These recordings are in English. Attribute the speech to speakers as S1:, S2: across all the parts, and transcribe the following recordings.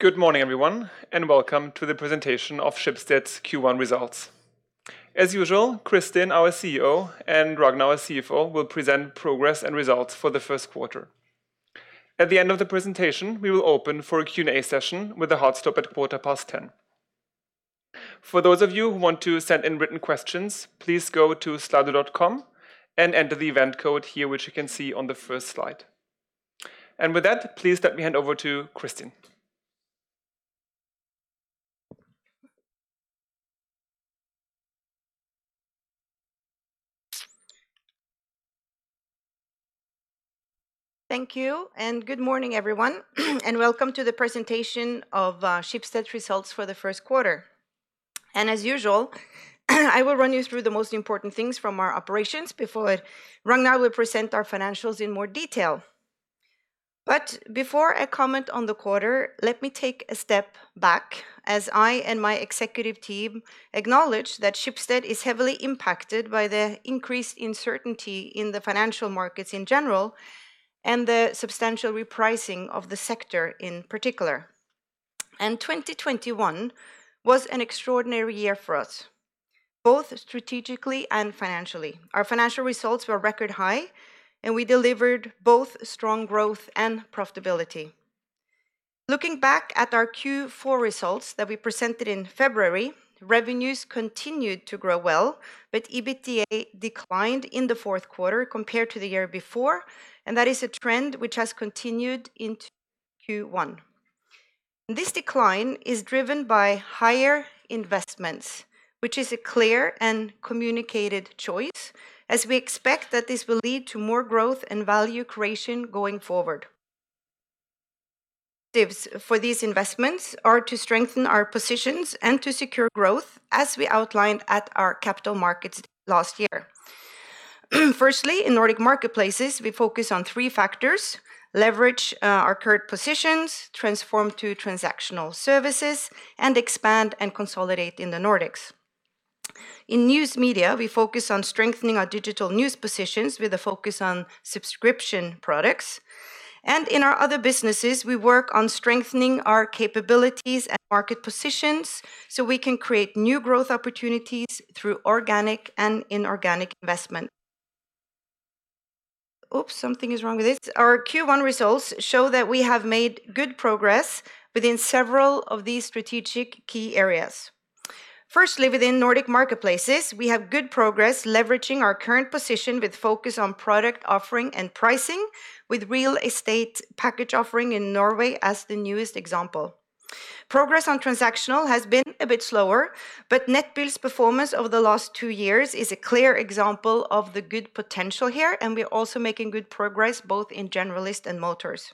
S1: Good morning, everyone, and welcome to the presentation of Schibsted's Q1 results. As usual, Kristin, our CEO, and Ragnar, our CFO, will present progress and results for the first quarter. At the end of the presentation, we will open for a Q&A session with a hard stop at 10:15 A.M. For those of you who want to send in written questions, please go to slido.com and enter the event code here, which you can see on the first slide. With that, please let me hand over to Kristin.
S2: Thank you, and good morning, everyone, and welcome to the presentation of Schibsted's results for the first quarter. As usual, I will run you through the most important things from our operations before Ragnar will present our financials in more detail. Before I comment on the quarter, let me take a step back as I and my executive team acknowledge that Schibsted is heavily impacted by the increased uncertainty in the financial markets in general and the substantial repricing of the sector in particular. 2021 was an extraordinary year for us, both strategically and financially. Our financial results were record high, and we delivered both strong growth and profitability. Looking back at our Q4 results that we presented in February, revenues continued to grow well, but EBITDA declined in the fourth quarter compared to the year before, and that is a trend which has continued into Q1. This decline is driven by higher investments, which is a clear and communicated choice as we expect that this will lead to more growth and value creation going forward. Objectives for these investments are to strengthen our positions and to secure growth as we outlined at our Capital Markets Day last year. Firstly, in Nordic Marketplaces, we focus on three factors: leverage our current positions, transform to transactional services, and expand and consolidate in the Nordics. In News Media, we focus on strengthening our digital news positions with a focus on subscription products. In our other businesses, we work on strengthening our capabilities and market positions, so we can create new growth opportunities through organic and inorganic investment. Our Q1 results show that we have made good progress within several of these strategic key areas. Firstly, within Nordic Marketplaces, we have good progress leveraging our current position with focus on product offering and pricing with real estate package offering in Norway as the newest example. Progress on transactional has been a bit slower, but Nettbil's performance over the last two years is a clear example of the good potential here, and we're also making good progress both in Generalist and Motors.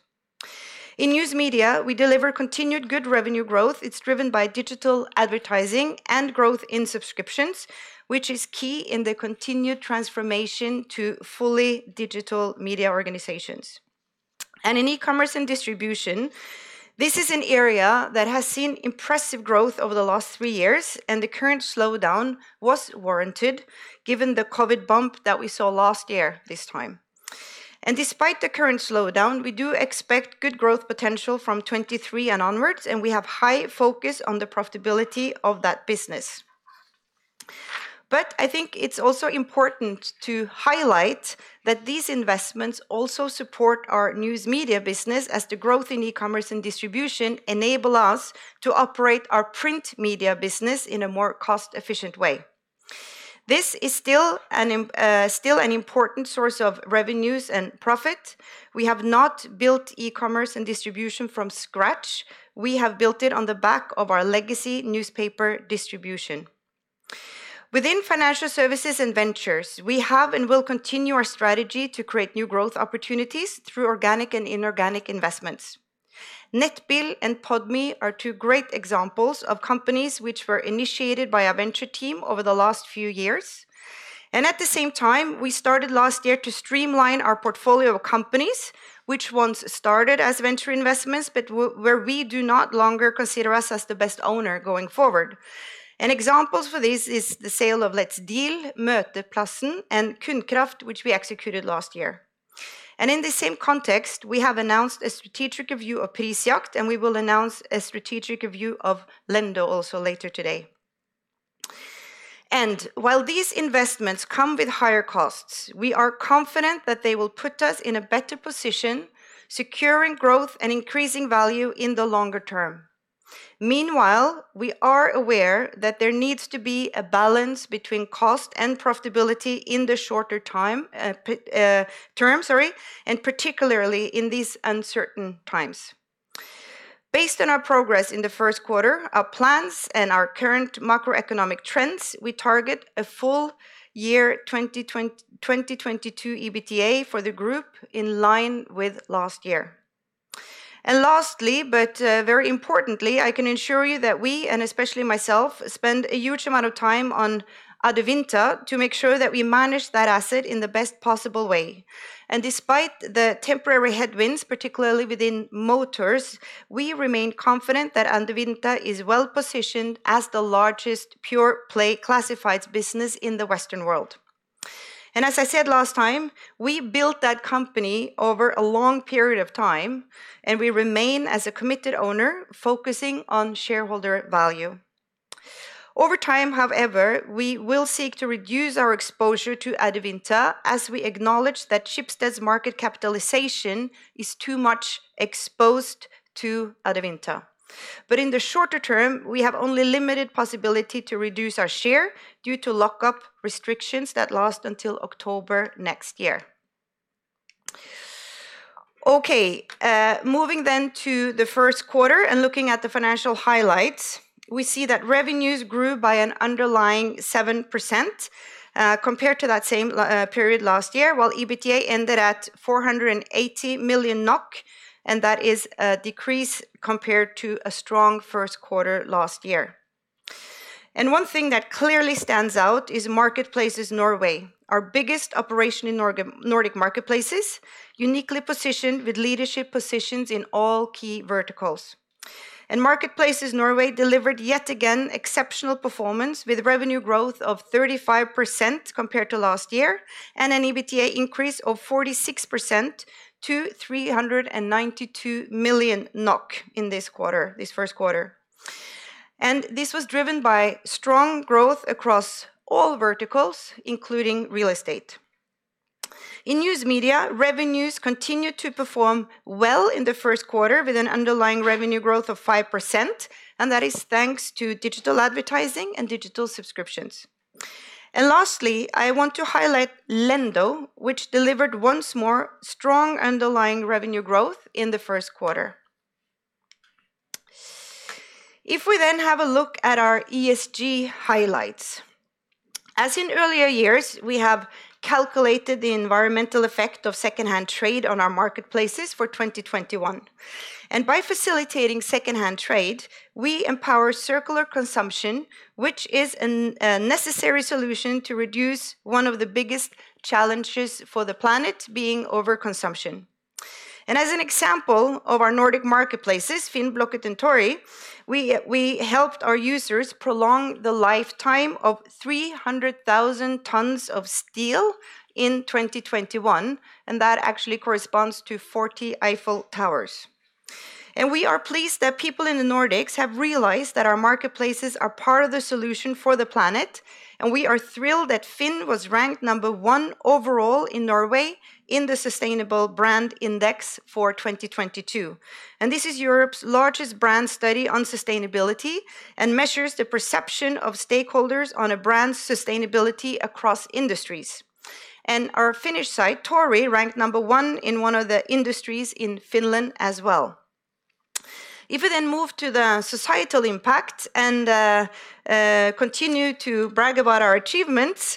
S2: In News Media, we deliver continued good revenue growth. It's driven by digital advertising and growth in subscriptions, which is key in the continued transformation to fully digital media organizations. In eCommerce & Distribution, this is an area that has seen impressive growth over the last three years, and the current slowdown was warranted given the COVID bump that we saw last year this time. Despite the current slowdown, we do expect good growth potential from 2023 and onwards, and we have high focus on the profitability of that business. I think it's also important to highlight that these investments also support our News Media business as the growth in eCommerce & Distribution enable us to operate our print media business in a more cost-efficient way. This is still an important source of revenues and profit. We have not built eCommerce & Distribution from scratch. We have built it on the back of our legacy newspaper distribution. Within Financial Services and Ventures, we have and will continue our strategy to create new growth opportunities through organic and inorganic investments. Nettbil and Podme are two great examples of companies which were initiated by our venture team over the last few years. At the same time, we started last year to streamline our portfolio of companies, which once started as venture investments, but where we no longer consider us as the best owner going forward. An example for this is the sale of Let's Deal, Møteplassen, and Kundkraft, which we executed last year. In the same context, we have announced a strategic review of Prisjakt, and we will announce a strategic review of Lendo also later today. While these investments come with higher costs, we are confident that they will put us in a better position, securing growth and increasing value in the longer term. Meanwhile, we are aware that there needs to be a balance between cost and profitability in the shorter term, and particularly in these uncertain times. Based on our progress in the first quarter, our plans and our current macroeconomic trends, we target a full year 2022 EBITDA for the group in line with last year. Lastly, but very importantly, I can assure you that we, and especially myself, spend a huge amount of time on Adevinta to make sure that we manage that asset in the best possible way. Despite the temporary headwinds, particularly within motors, we remain confident that Adevinta is well-positioned as the largest pure-play classifieds business in the Western world. As I said last time, we built that company over a long period of time, and we remain as a committed owner focusing on shareholder value. Over time, however, we will seek to reduce our exposure to Adevinta as we acknowledge that Schibsted's market capitalization is too much exposed to Adevinta. In the shorter term, we have only limited possibility to reduce our share due to lockup restrictions that last until October next year. Okay, moving to the first quarter and looking at the financial highlights, we see that revenues grew by an underlying 7%, compared to that same period last year, while EBITDA ended at 480 million NOK, and that is a decrease compared to a strong first quarter last year. One thing that clearly stands out is Marketplaces Norway, our biggest operation in Nordic Marketplaces, uniquely positioned with leadership positions in all key verticals. Marketplaces Norway delivered yet again exceptional performance with revenue growth of 35% compared to last year and an EBITDA increase of 46% to 392 million NOK in this quarter, this first quarter. This was driven by strong growth across all verticals, including real estate. In News Media, revenues continued to perform well in the first quarter with an underlying revenue growth of 5%, and that is thanks to digital advertising and digital subscriptions. Lastly, I want to highlight Lendo, which delivered once more strong underlying revenue growth in the first quarter. If we then have a look at our ESG highlights, as in earlier years, we have calculated the environmental effect of secondhand trade on our marketplaces for 2021. By facilitating secondhand trade, we empower circular consumption, which is a necessary solution to reduce one of the biggest challenges for the planet being overconsumption. As an example of our Nordic Marketplaces, FINN, Blocket and Tori, we helped our users prolong the lifetime of 300,000 tons of steel in 2021, and that actually corresponds to 40 Eiffel Towers. We are pleased that people in the Nordics have realized that our marketplaces are part of the solution for the planet, and we are thrilled that FINN was ranked number one overall in Norway in the Sustainable Brand Index for 2022. This is Europe's largest brand study on sustainability and measures the perception of stakeholders on a brand's sustainability across industries. Our Finnish site, Tori, ranked number one in one of the industries in Finland as well. If we then move to the societal impact and continue to brag about our achievements,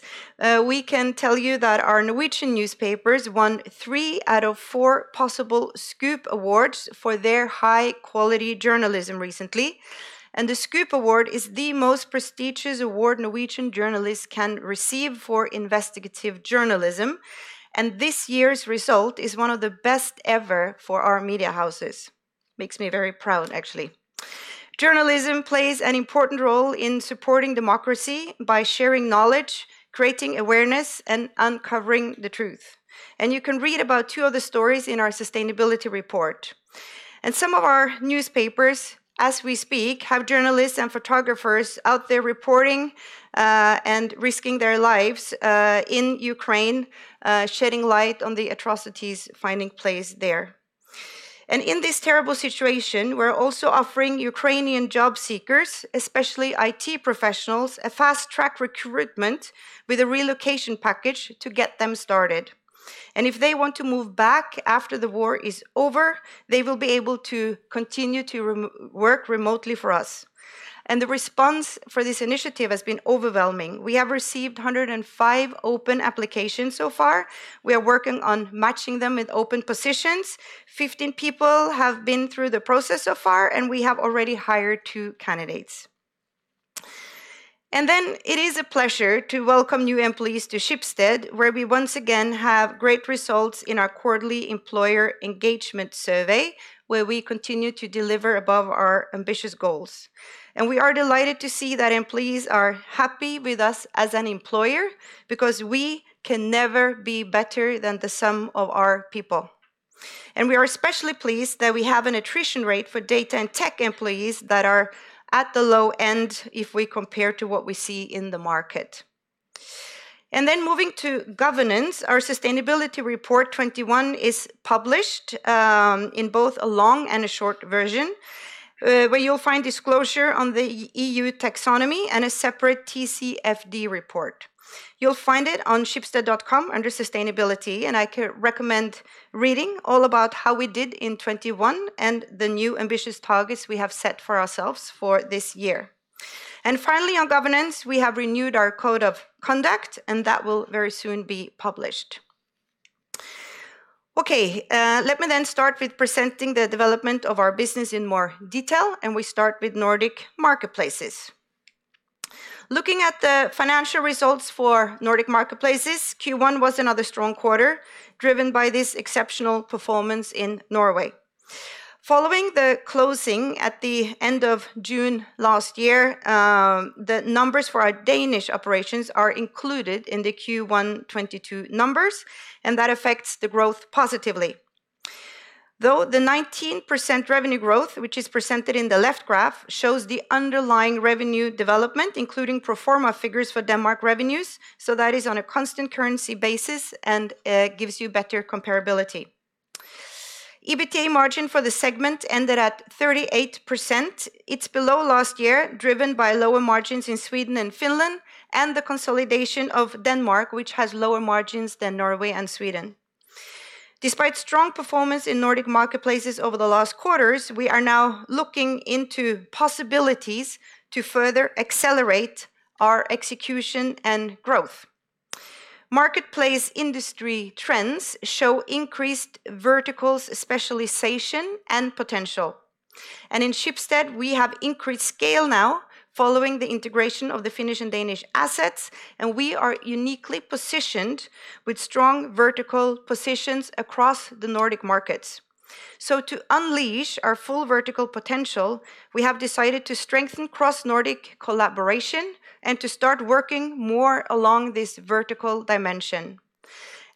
S2: we can tell you that our Norwegian newspapers won three out of four possible SKUP awards for their high-quality journalism recently. The SKUP Award is the most prestigious award Norwegian journalists can receive for investigative journalism, and this year's result is one of the best ever for our media houses. Makes me very proud, actually. Journalism plays an important role in supporting democracy by sharing knowledge, creating awareness, and uncovering the truth. You can read about two of the stories in our sustainability report. Some of our newspapers, as we speak, have journalists and photographers out there reporting, and risking their lives, in Ukraine, shedding light on the atrocities taking place there. In this terrible situation, we're also offering Ukrainian job seekers, especially IT professionals, a fast-track recruitment with a relocation package to get them started. If they want to move back after the war is over, they will be able to continue to work remotely for us. The response for this initiative has been overwhelming. We have received 105 open applications so far. We are working on matching them with open positions. 15 people have been through the process so far, and we have already hired two candidates. It is a pleasure to welcome new employees to Schibsted, where we once again have great results in our quarterly employer engagement survey, where we continue to deliver above our ambitious goals. We are delighted to see that employees are happy with us as an employer because we can never be better than the sum of our people. We are especially pleased that we have an attrition rate for data and tech employees that are at the low end if we compare to what we see in the market. Moving to governance, our Sustainability Report '21 is published in both a long and a short version, where you'll find disclosure on the EU taxonomy and a separate TCFD report. You'll find it on schibsted.com under Sustainability, and I recommend reading all about how we did in 2021 and the new ambitious targets we have set for ourselves for this year. Finally, on governance, we have renewed our code of conduct, and that will very soon be published. Okay, let me start with presenting the development of our business in more detail, and we start with Nordic Marketplaces. Looking at the financial results for Nordic Marketplaces, Q1 was another strong quarter, driven by this exceptional performance in Norway. Following the closing at the end of June last year, the numbers for our Danish operations are included in the Q1 2022 numbers, and that affects the growth positively. Though the 19% revenue growth, which is presented in the left graph, shows the underlying revenue development, including pro forma figures for Denmark revenues, so that is on a constant currency basis and gives you better comparability. EBITDA margin for the segment ended at 38%. It's below last year, driven by lower margins in Sweden and Finland and the consolidation of Denmark, which has lower margins than Norway and Sweden. Despite strong performance in Nordic Marketplaces over the last quarters, we are now looking into possibilities to further accelerate our execution and growth. Marketplace industry trends show increased verticals specialization and potential. In Schibsted, we have increased scale now following the integration of the Finnish and Danish assets, and we are uniquely positioned with strong vertical positions across the Nordic markets. To unleash our full vertical potential, we have decided to strengthen cross Nordic collaboration and to start working more along this vertical dimension.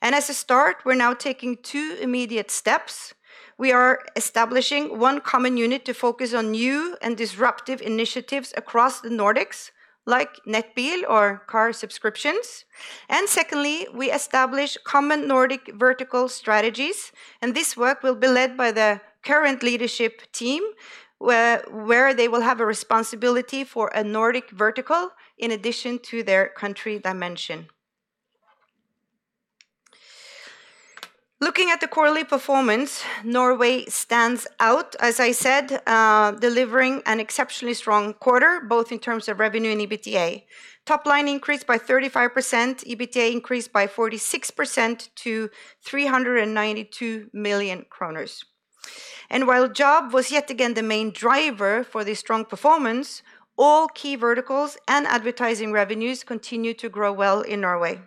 S2: As a start, we're now taking two immediate steps. We are establishing one common unit to focus on new and disruptive initiatives across the Nordics, like Nettbil or car subscriptions. Secondly, we establish common Nordic vertical strategies, and this work will be led by the current leadership team, where they will have a responsibility for a Nordic vertical in addition to their country dimension. Looking at the quarterly performance, Norway stands out, as I said, delivering an exceptionally strong quarter, both in terms of revenue and EBITDA. Top line increased by 35%, EBITDA increased by 46% to 392 million kroner. While Jobb was yet again the main driver for the strong performance, all key verticals and advertising revenues continued to grow well in Norway.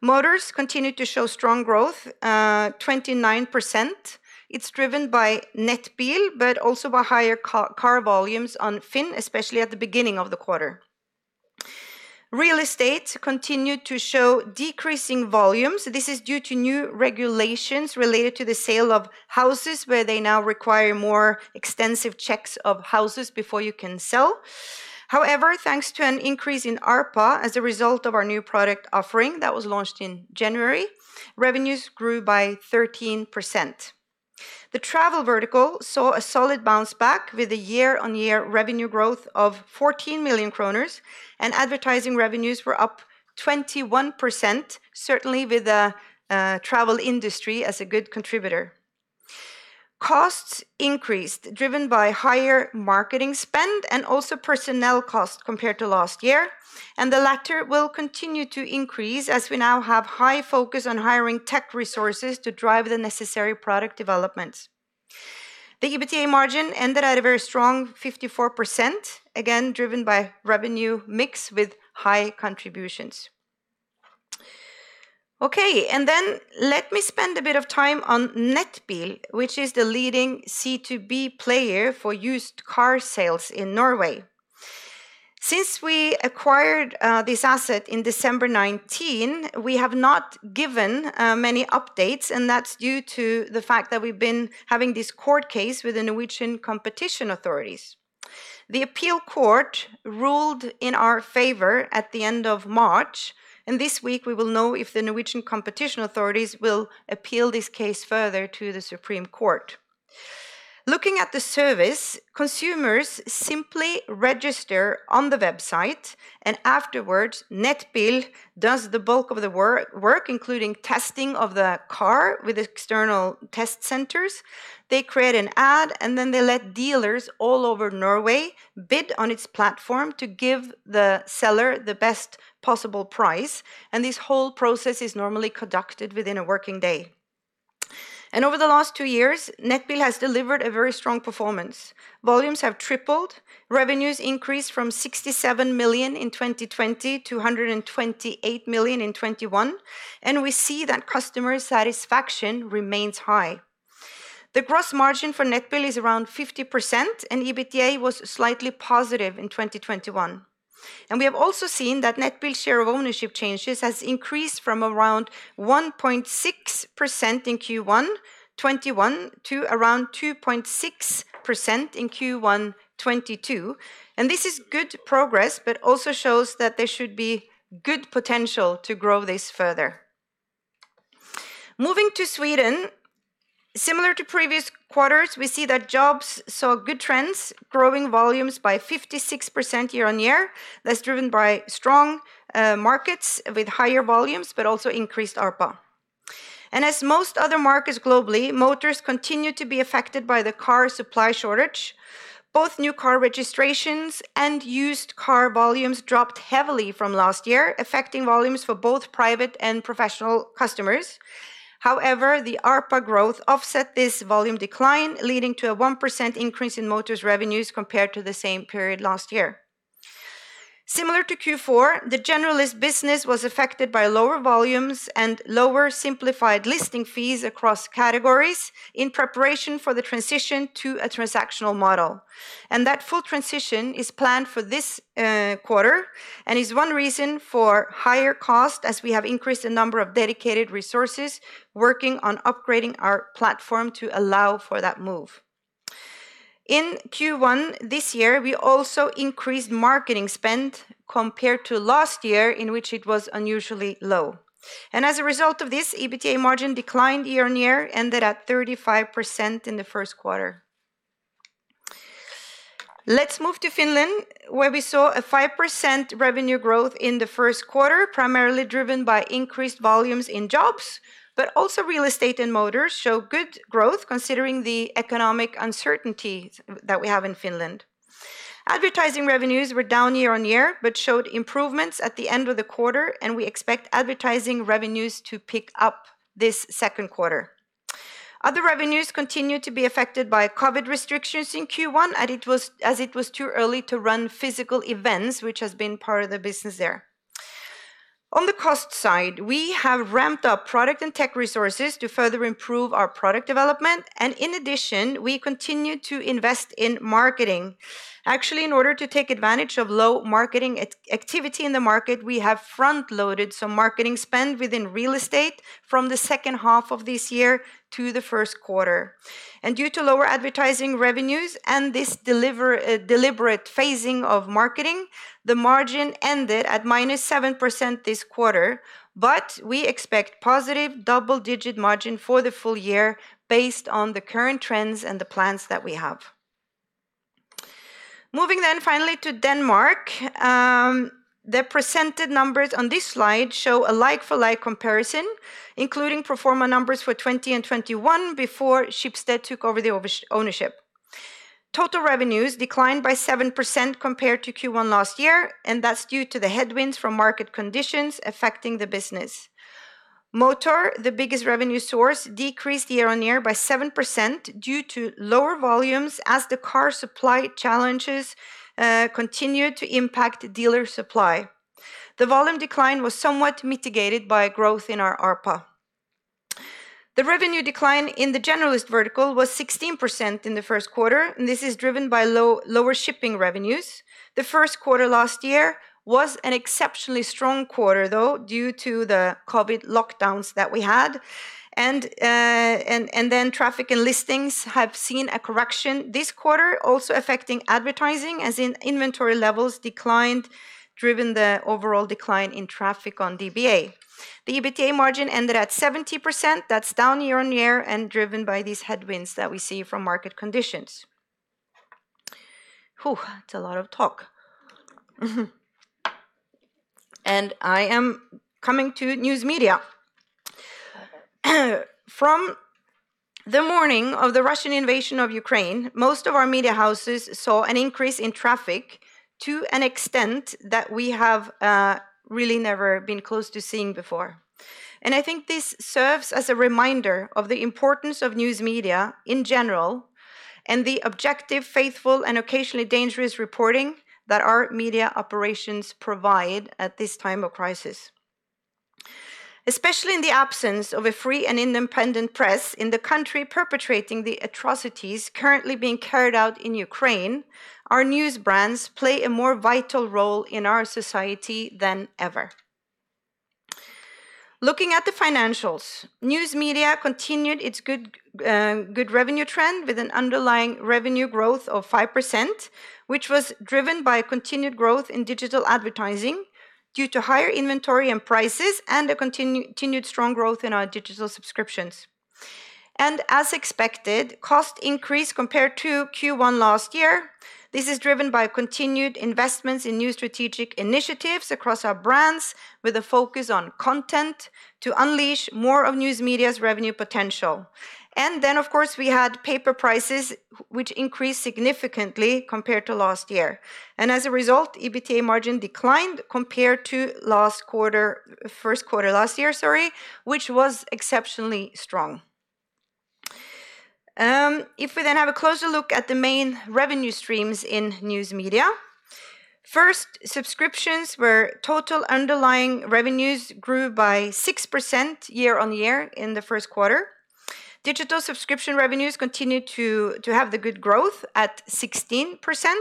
S2: Motors continued to show strong growth, 29%. It's driven by Nettbil, but also by higher car volumes on Finn, especially at the beginning of the quarter. Real estate continued to show decreasing volumes. This is due to new regulations related to the sale of houses, where they now require more extensive checks of houses before you can sell. However, thanks to an increase in ARPA as a result of our new product offering that was launched in January, revenues grew by 13%. The travel vertical saw a solid bounce back with a year-on-year revenue growth of 14 million kroner and advertising revenues were up 21%, certainly with the travel industry as a good contributor. Costs increased, driven by higher marketing spend and also personnel costs compared to last year, and the latter will continue to increase as we now have high focus on hiring tech resources to drive the necessary product developments. The EBITDA margin ended at a very strong 54%, again, driven by revenue mix with high contributions. Okay, let me spend a bit of time on Nettbil, which is the leading C2B player for used car sales in Norway. Since we acquired this asset in December 2019, we have not given many updates, and that's due to the fact that we've been having this court case with the Norwegian Competition Authority. The appeal court ruled in our favor at the end of March, and this week we will know if the Norwegian Competition Authority will appeal this case further to the Supreme Court of Norway. Looking at the service, consumers simply register on the website and afterwards, Nettbil does the bulk of the work, including testing of the car with external test centers. They create an ad, and then they let dealers all over Norway bid on its platform to give the seller the best possible price. This whole process is normally conducted within a working day. Over the last two years, Nettbil has delivered a very strong performance. Volumes have tripled. Revenues increased from 67 million in 2020 to 128 million in 2021, and we see that customer satisfaction remains high. The gross margin for Nettbil is around 50%, and EBITDA was slightly positive in 2021. We have also seen that Nettbil share of ownership changes has increased from around 1.6% in Q1 2021 to around 2.6% in Q1 2022. This is good progress, but also shows that there should be good potential to grow this further. Moving to Sweden, similar to previous quarters, we see that Jobs saw good trends, growing volumes by 56% year-on-year. That's driven by strong markets with higher volumes, but also increased ARPA. As most other markets globally, Motors continue to be affected by the car supply shortage. Both new car registrations and used car volumes dropped heavily from last year, affecting volumes for both private and professional customers. However, the ARPA growth offset this volume decline, leading to a 1% increase in Motors revenues compared to the same period last year. Similar to Q4, the Generalist business was affected by lower volumes and lower simplified listing fees across categories in preparation for the transition to a transactional model. That full transition is planned for this quarter and is one reason for higher cost as we have increased the number of dedicated resources working on upgrading our platform to allow for that move. In Q1 this year, we also increased marketing spend compared to last year in which it was unusually low. As a result of this, EBITDA margin declined year on year, ended at 35% in the first quarter. Let's move to Finland, where we saw a 5% revenue growth in the first quarter, primarily driven by increased volumes in jobs, but also real estate and motors show good growth considering the economic uncertainty that we have in Finland. Advertising revenues were down year on year, but showed improvements at the end of the quarter, and we expect advertising revenues to pick up this second quarter. Other revenues continued to be affected by COVID restrictions in Q1, and it was too early to run physical events, which has been part of the business there. On the cost side, we have ramped up product and tech resources to further improve our product development, and in addition, we continue to invest in marketing. Actually, in order to take advantage of low marketing activity in the market, we have front-loaded some marketing spend within real estate from the second half of this year to the first quarter. Due to lower advertising revenues and this deliberate phasing of marketing, the margin ended at minus 7% this quarter, but we expect positive double-digit margin for the full year based on the current trends and the plans that we have. Moving finally to Denmark, the presented numbers on this slide show a like-for-like comparison, including pro forma numbers for 2020 and 2021 before Schibsted took over the ownership. Total revenues declined by 7% compared to Q1 last year, and that's due to the headwinds from market conditions affecting the business. Motors, the biggest revenue source, decreased year-on-year by 7% due to lower volumes as the car supply challenges continued to impact dealer supply. The volume decline was somewhat mitigated by growth in our ARPA. The revenue decline in the Generalist vertical was 16% in the first quarter, and this is driven by lower shipping revenues. The first quarter last year was an exceptionally strong quarter, though, due to the COVID lockdowns that we had. Then traffic and listings have seen a correction this quarter, also affecting advertising as inventory levels declined, driving the overall decline in traffic on DBA. The EBITDA margin ended at 70%. That's down year-over-year and driven by these headwinds that we see from market conditions. It's a lot of talk. I am coming to News Media. From the morning of the Russian invasion of Ukraine, most of our media houses saw an increase in traffic to an extent that we have really never been close to seeing before. I think this serves as a reminder of the importance of News Media in general and the objective, faithful, and occasionally dangerous reporting that our media operations provide at this time of crisis. Especially in the absence of a free and independent press in the country perpetrating the atrocities currently being carried out in Ukraine, our news brands play a more vital role in our society than ever. Looking at the financials, News Media continued its good revenue trend with an underlying revenue growth of 5%, which was driven by continued growth in digital advertising due to higher inventory and prices and a continued strong growth in our digital subscriptions. As expected, cost increased compared to Q1 last year. This is driven by continued investments in new strategic initiatives across our brands with a focus on content to unleash more of News Media's revenue potential. Of course, we had paper prices, which increased significantly compared to last year. As a result, EBITDA margin declined compared to first quarter last year, which was exceptionally strong. If we then have a closer look at the main revenue streams in News Media, first, subscriptions. Total underlying revenues grew by 6% year-on-year in the first quarter. Digital subscription revenues continued to have the good growth at 16%.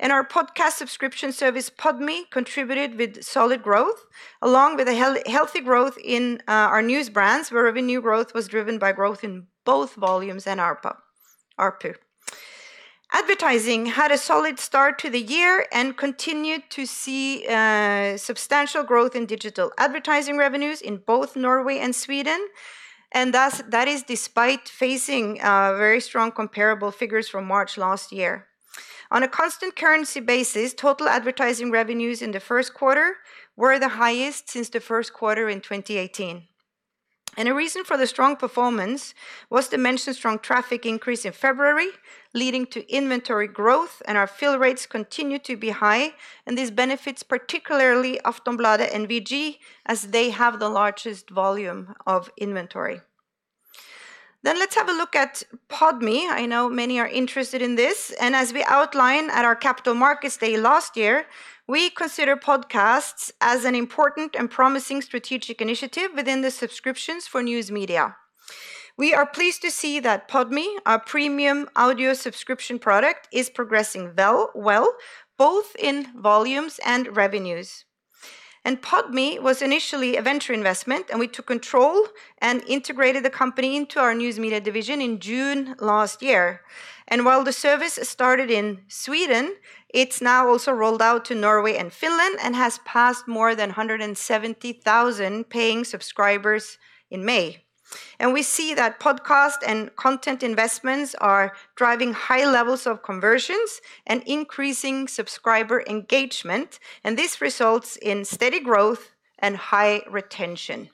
S2: Our podcast subscription service, Podme, contributed with solid growth, along with a healthy growth in our news brands, where revenue growth was driven by growth in both volumes and ARPU. Advertising had a solid start to the year and continued to see substantial growth in digital advertising revenues in both Norway and Sweden. Thus, that is despite facing very strong comparable figures from March last year. On a constant currency basis, total advertising revenues in the first quarter were the highest since the first quarter in 2018. A reason for the strong performance was the mentioned strong traffic increase in February, leading to inventory growth, and our fill rates continue to be high. This benefits particularly Aftonbladet and VG, as they have the largest volume of inventory. Let's have a look at Podme. I know many are interested in this. As we outlined at our Capital Markets Day last year, we consider podcasts as an important and promising strategic initiative within the subscriptions for news media. We are pleased to see that Podme, our premium audio subscription product, is progressing well both in volumes and revenues. Podme was initially a venture investment, and we took control and integrated the company into our news media division in June last year. While the service started in Sweden, it's now also rolled out to Norway and Finland and has passed more than 170,000 paying subscribers in May. We see that podcast and content investments are driving high levels of conversions and increasing subscriber engagement, and this results in steady growth and high retention.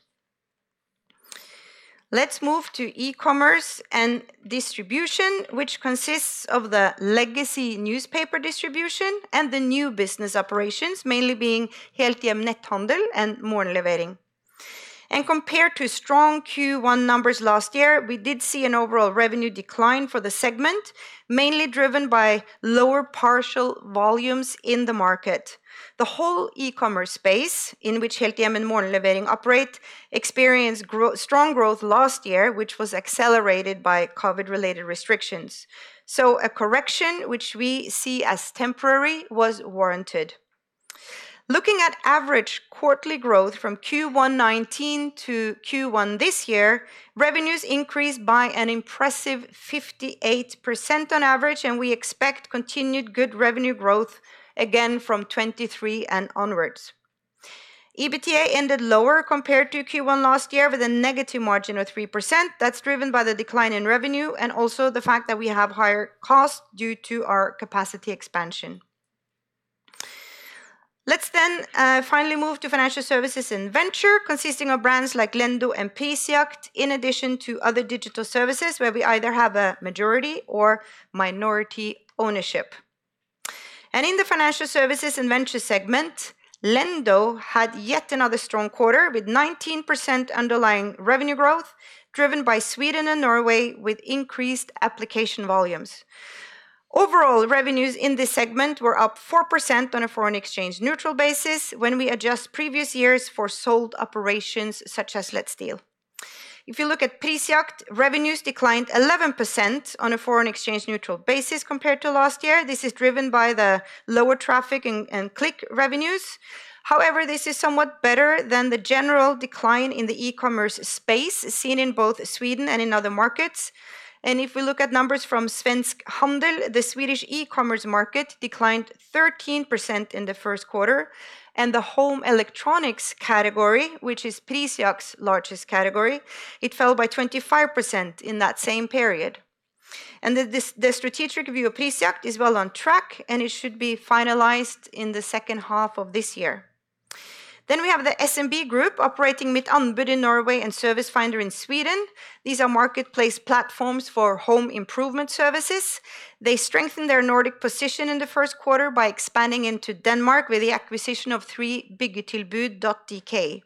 S2: Let's move to eCommerce and distribution, which consists of the legacy newspaper distribution and the new business operations, mainly being Helthjem Netthandel and Morgenlevering. Compared to strong Q1 numbers last year, we did see an overall revenue decline for the segment, mainly driven by lower parcel volumes in the market. The whole eCommerce space in which Helthjem and Morgenlevering operate experienced strong growth last year, which was accelerated by COVID-related restrictions. A correction, which we see as temporary, was warranted. Looking at average quarterly growth from Q1 2019 to Q1 this year, revenues increased by an impressive 58% on average, and we expect continued good revenue growth again from 2023 and onwards. EBITDA ended lower compared to Q1 last year with a negative margin of 3%. That's driven by the decline in revenue and also the fact that we have higher costs due to our capacity expansion. Let's finally move to Financial Services & Ventures, consisting of brands like Lendo and Prisjakt, in addition to other digital services where we either have a majority or minority ownership. In the Financial Services & Ventures segment, Lendo had yet another strong quarter with 19% underlying revenue growth, driven by Sweden and Norway with increased application volumes. Overall, revenues in this segment were up 4% on a foreign exchange neutral basis when we adjust previous years for sold operations such as Let's Deal. If you look at Prisjakt, revenues declined 11% on a foreign exchange neutral basis compared to last year. This is driven by the lower traffic and click revenues. However, this is somewhat better than the general decline in the eCommerce space seen in both Sweden and in other markets. If we look at numbers from Svensk Handel, the Swedish eCommerce market declined 13% in the first quarter, and the home electronics category, which is Prisjakt's largest category, it fell by 25% in that same period. The strategic review of Prisjakt is well on track, and it should be finalized in the second half of this year. We have the SMB group operating Mitt Anbud in Norway and Servicefinder in Sweden. These are marketplace platforms for home improvement services. They strengthened their Nordic position in the first quarter by expanding into Denmark with the acquisition of 3byggetilbud.dk.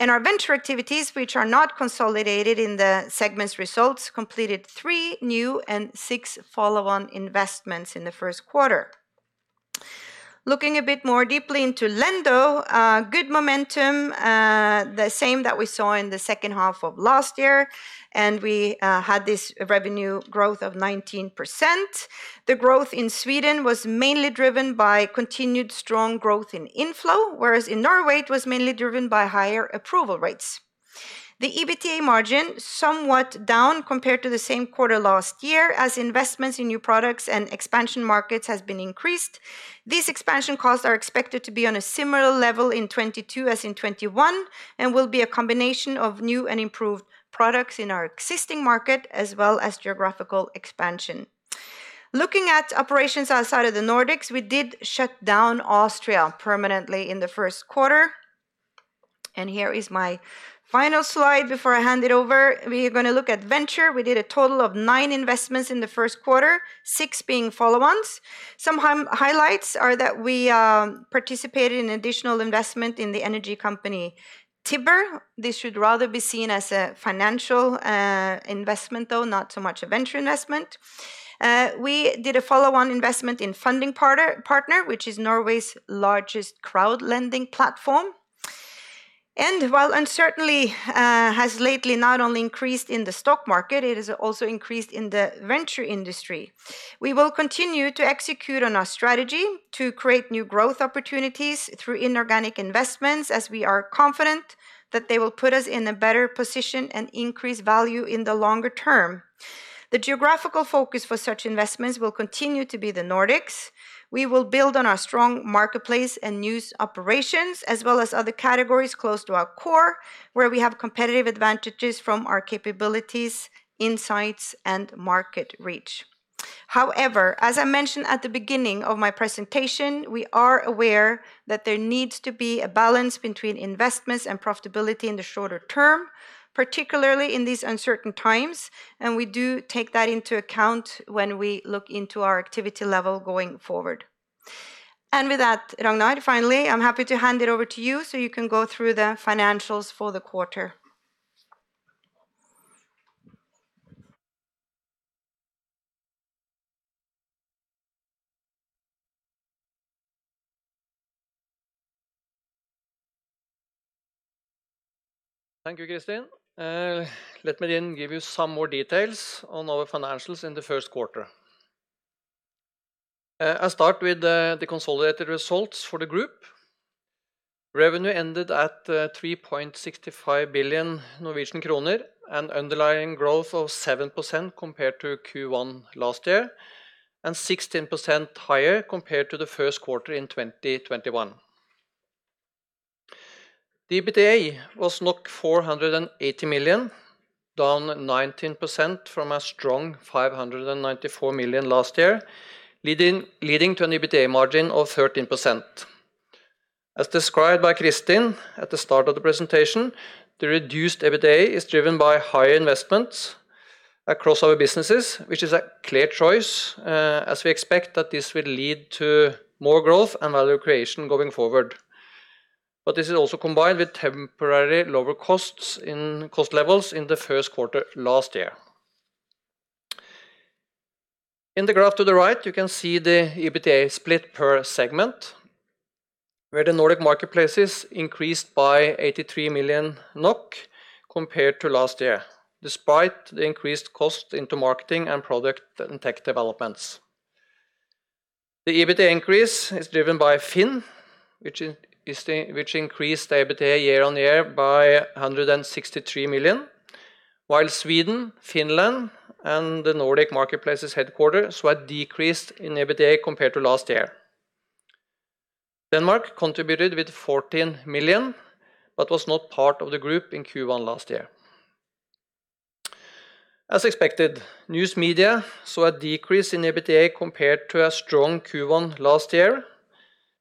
S2: Our venture activities, which are not consolidated in the segment's results, completed three new and six follow-on investments in the first quarter. Looking a bit more deeply into Lendo, good momentum, the same that we saw in the second half of last year, and we had this revenue growth of 19%. The growth in Sweden was mainly driven by continued strong growth in inflow, whereas in Norway, it was mainly driven by higher approval rates. The EBITDA margin somewhat down compared to the same quarter last year as investments in new products and expansion markets has been increased. These expansion costs are expected to be on a similar level in 2022 as in 2021 and will be a combination of new and improved products in our existing market as well as geographical expansion. Looking at operations outside of the Nordics, we did shut down Austria permanently in the first quarter. Here is my final slide before I hand it over. We are gonna look at venture. We did a total of nine investments in the first quarter, six being follow-ons. Some highlights are that we participated in additional investment in the energy company Tibber. This should rather be seen as a financial investment though, not so much a venture investment. We did a follow-on investment in FundingPartner, which is Norway's largest crowd lending platform. While uncertainty has lately not only increased in the stock market, it has also increased in the venture industry. We will continue to execute on our strategy to create new growth opportunities through inorganic investments as we are confident that they will put us in a better position and increase value in the longer term. The geographical focus for such investments will continue to be the Nordics. We will build on our strong marketplace and news operations as well as other categories close to our core, where we have competitive advantages from our capabilities, insights, and market reach. However, as I mentioned at the beginning of my presentation, we are aware that there needs to be a balance between investments and profitability in the shorter term, particularly in these uncertain times, and we do take that into account when we look into our activity level going forward. With that, Ragnar, finally, I'm happy to hand it over to you so you can go through the financials for the quarter.
S3: Thank you, Kristin. Let me give you some more details on our financials in the first quarter. I start with the consolidated results for the group. Revenue ended at 3.65 billion Norwegian kroner, an underlying growth of 7% compared to Q1 last year, and 16% higher compared to the first quarter in 2021. The EBITDA was 480 million, down 19% from a strong 594 million last year, leading to an EBITDA margin of 13%. As described by Kristin at the start of the presentation, the reduced EBITDA is driven by higher investments across our businesses, which is a clear choice, as we expect that this will lead to more growth and value creation going forward. This is also combined with temporarily lower costs in cost levels in the first quarter last year. In the graph to the right, you can see the EBITDA split per segment, where the Nordic Marketplaces increased by 83 million NOK compared to last year, despite the increased cost into marketing and product and tech developments. The EBITDA increase is driven by FINN, which increased the EBITDA year-on-year by 163 million, while Sweden, Finland, and the Nordic Marketplaces headquarters saw a decrease in EBITDA compared to last year. Denmark contributed with 14 million, but was not part of the group in Q1 last year. As expected, News Media saw a decrease in EBITDA compared to a strong Q1 last year,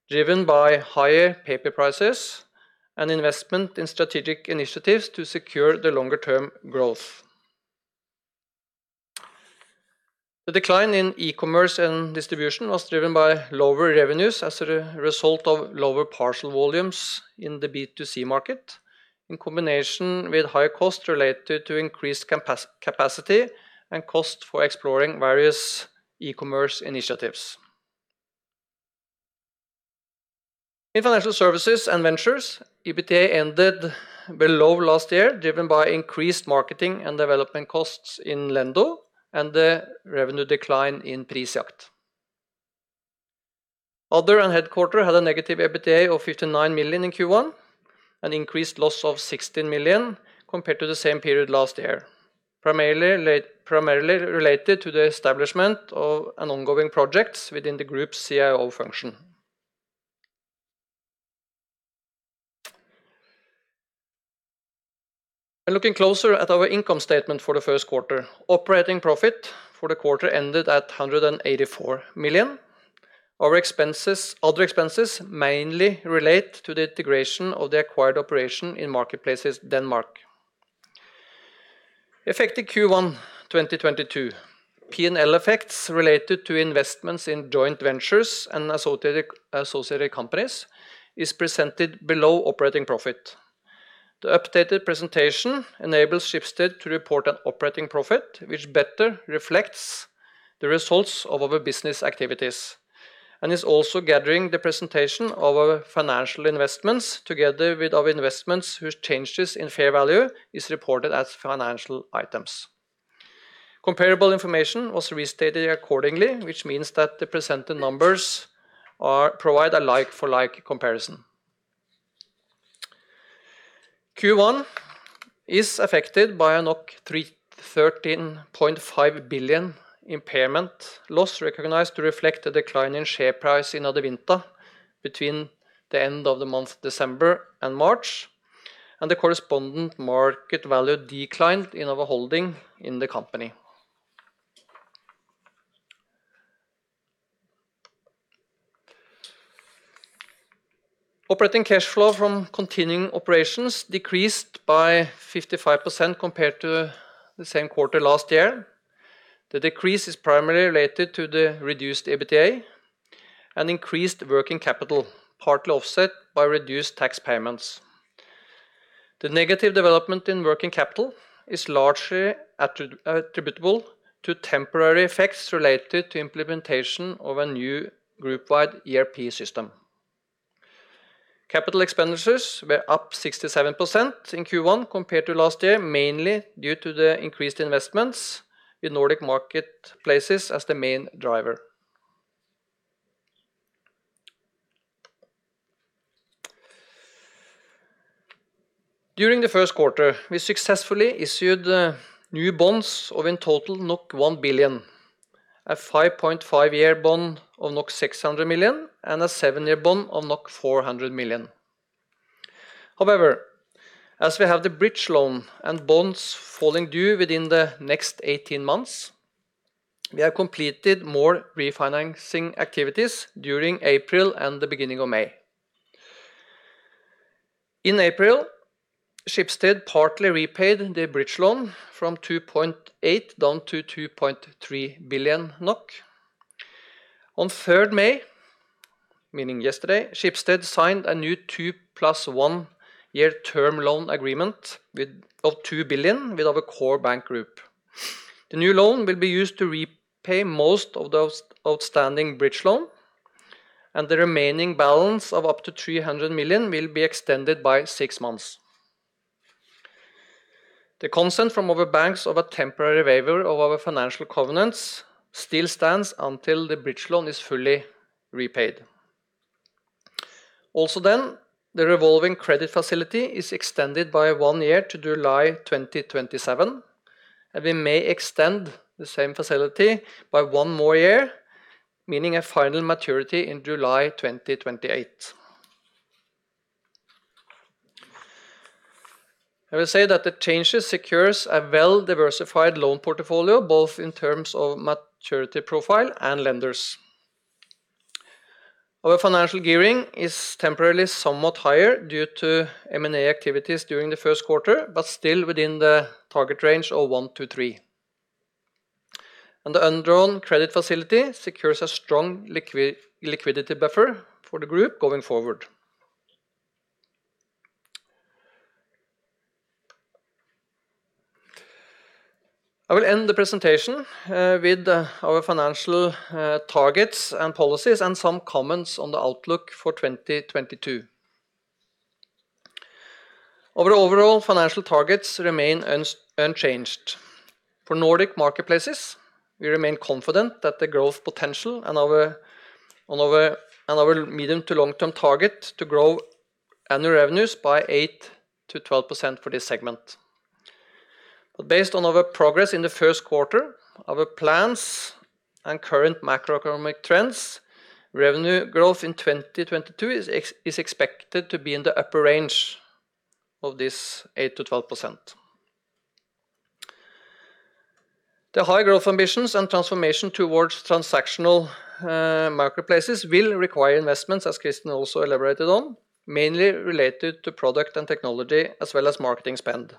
S3: driven by higher paper prices and investment in strategic initiatives to secure the longer-term growth. The decline in eCommerce & Distribution was driven by lower revenues as a result of lower parcel volumes in the B2C market, in combination with higher costs related to increased capacity and cost for exploring various eCommerce initiatives. In Financial Services & Ventures, EBITDA ended below last year, driven by increased marketing and development costs in Lendo and the revenue decline in Prisjakt. Other and Headquarters had a negative EBITDA of 59 million in Q1, an increased loss of 16 million compared to the same period last year, primarily related to the establishment of an ongoing project within the group's CIO function. Looking closer at our income statement for the first quarter. Operating profit for the quarter ended at 184 million. Other expenses mainly relate to the integration of the acquired operation in Marketplaces Denmark. Effective Q1 2022, P&L effects related to investments in joint ventures and associated companies is presented below operating profit. The updated presentation enables Schibsted to report an operating profit which better reflects the results of our business activities and is also gathering the presentation of our financial investments together with our investments whose changes in fair value is reported as financial items. Comparable information was restated accordingly, which means that the presented numbers provide a like-for-like comparison. Q1 is affected by a 13.5 billion impairment loss recognized to reflect the decline in share price in Adevinta between the end of December and March, and the corresponding market value decline in our holding in the company. Operating cash flow from continuing operations decreased by 55% compared to the same quarter last year. The decrease is primarily related to the reduced EBITDA and increased working capital, partly offset by reduced tax payments. The negative development in working capital is largely attributable to temporary effects related to implementation of a new group-wide ERP system. Capital expenditures were up 67% in Q1 compared to last year, mainly due to the increased investments in Nordic Marketplaces as the main driver. During the first quarter, we successfully issued new bonds of in total NOK 1 billion, a 5.5-year bond of NOK 600 million, and a 7-year bond of NOK 400 million. However, as we have the bridge loan and bonds falling due within the next 18 months, we have completed more refinancing activities during April and the beginning of May. In April, Schibsted partly repaid the bridge loan from 2.8 billion down to 2.3 billion NOK. On third May, meaning yesterday, Schibsted signed a new 2+1-year term loan agreement of 2 billion with our core bank group. The new loan will be used to repay most of those outstanding bridge loan, and the remaining balance of up to 300 million will be extended by 6 months. The consent from our banks of a temporary waiver of our financial covenants still stands until the bridge loan is fully repaid. The revolving credit facility is extended by one year to July 2027, and we may extend the same facility by one more year, meaning a final maturity in July 2028. I will say that the changes secures a well-diversified loan portfolio, both in terms of maturity profile and lenders. Our financial gearing is temporarily somewhat higher due to M&A activities during the first quarter, but still within the target range of 1-3. The undrawn credit facility secures a strong liquidity buffer for the group going forward. I will end the presentation with our financial targets and policies and some comments on the outlook for 2022. Our overall financial targets remain unchanged. For Nordic Marketplaces, we remain confident that the growth potential and our medium to long term target to grow annual revenues by 8%-12% for this segment. Based on our progress in the first quarter, our plans and current macroeconomic trends, revenue growth in 2022 is expected to be in the upper range of this 8%-12%. The high growth ambitions and transformation towards transactional marketplaces will require investments, as Kristin also elaborated on, mainly related to product and technology as well as marketing spend.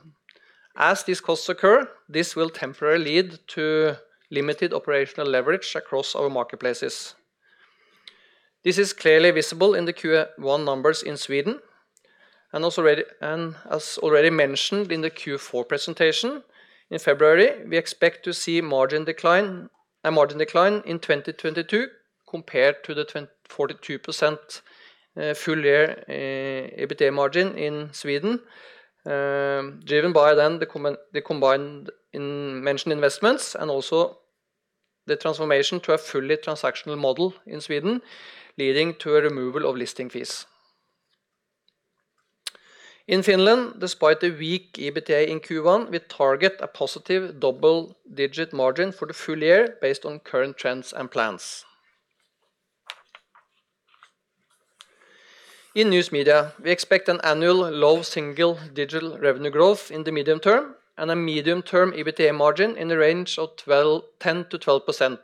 S3: As these costs occur, this will temporarily lead to limited operational leverage across our marketplaces. This is clearly visible in the Q1 numbers in Sweden, and as already mentioned in the Q4 presentation in February, we expect to see margin decline in 2022 compared to the 42% full year EBITDA margin in Sweden, driven by the combined investments mentioned and also the transformation to a fully transactional model in Sweden, leading to a removal of listing fees. In Finland, despite a weak EBITDA in Q1, we target a positive double-digit margin for the full year based on current trends and plans. In News Media, we expect an annual low single-digit revenue growth in the medium term and a medium-term EBITDA margin in the range of 10%-12%.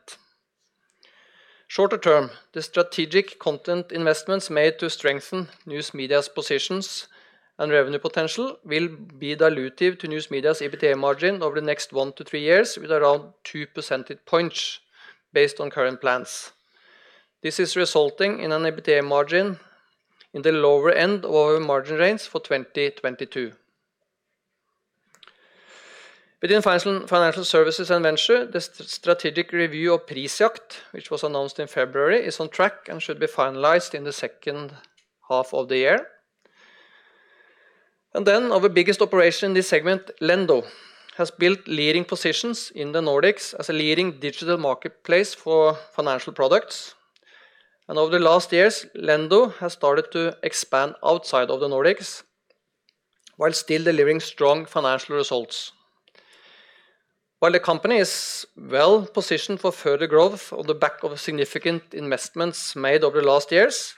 S3: Shorter term, the strategic content investments made to strengthen News Media's positions and revenue potential will be dilutive to News Media's EBITDA margin over the next 1-3 years with around 2 percentage points based on current plans. This is resulting in an EBITDA margin in the lower end of our margin range for 2022. Within Financial Services & Ventures, the strategic review of Prisjakt, which was announced in February, is on track and should be finalized in the second half of the year. Our biggest operation in this segment, Lendo, has built leading positions in the Nordics as a leading digital marketplace for financial products. Over the last years, Lendo has started to expand outside of the Nordics while still delivering strong financial results. While the company is well-positioned for further growth on the back of significant investments made over the last years,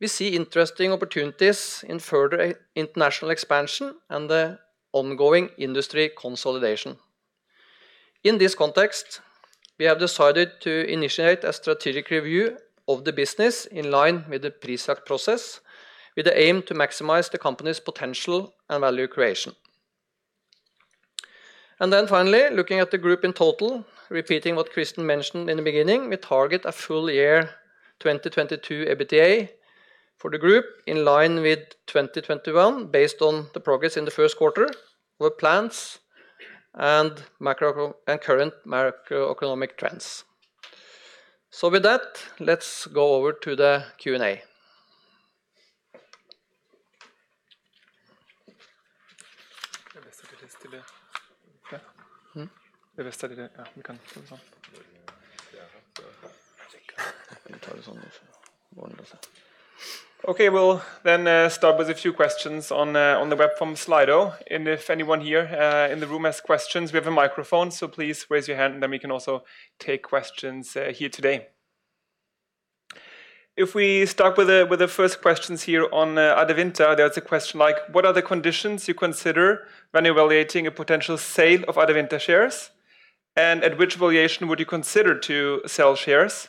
S3: we see interesting opportunities in further international expansion and the ongoing industry consolidation. In this context, we have decided to initiate a strategic review of the business in line with the Prisjakt process, with the aim to maximize the company's potential and value creation. Finally, looking at the group in total, repeating what Kristin mentioned in the beginning, we target a full year 2022 EBITDA for the group in line with 2021 based on the progress in the first quarter, our plans and current macroeconomic trends. With that, let's go over to the Q&A.
S1: Okay. We'll start with a few questions on the web from Slido. If anyone here in the room has questions, we have a microphone, so please raise your hand, and then we can also take questions here today. If we start with the first questions here on Adevinta, there is a question like. What are the conditions you consider when evaluating a potential sale of Adevinta shares? And at which valuation would you consider to sell shares?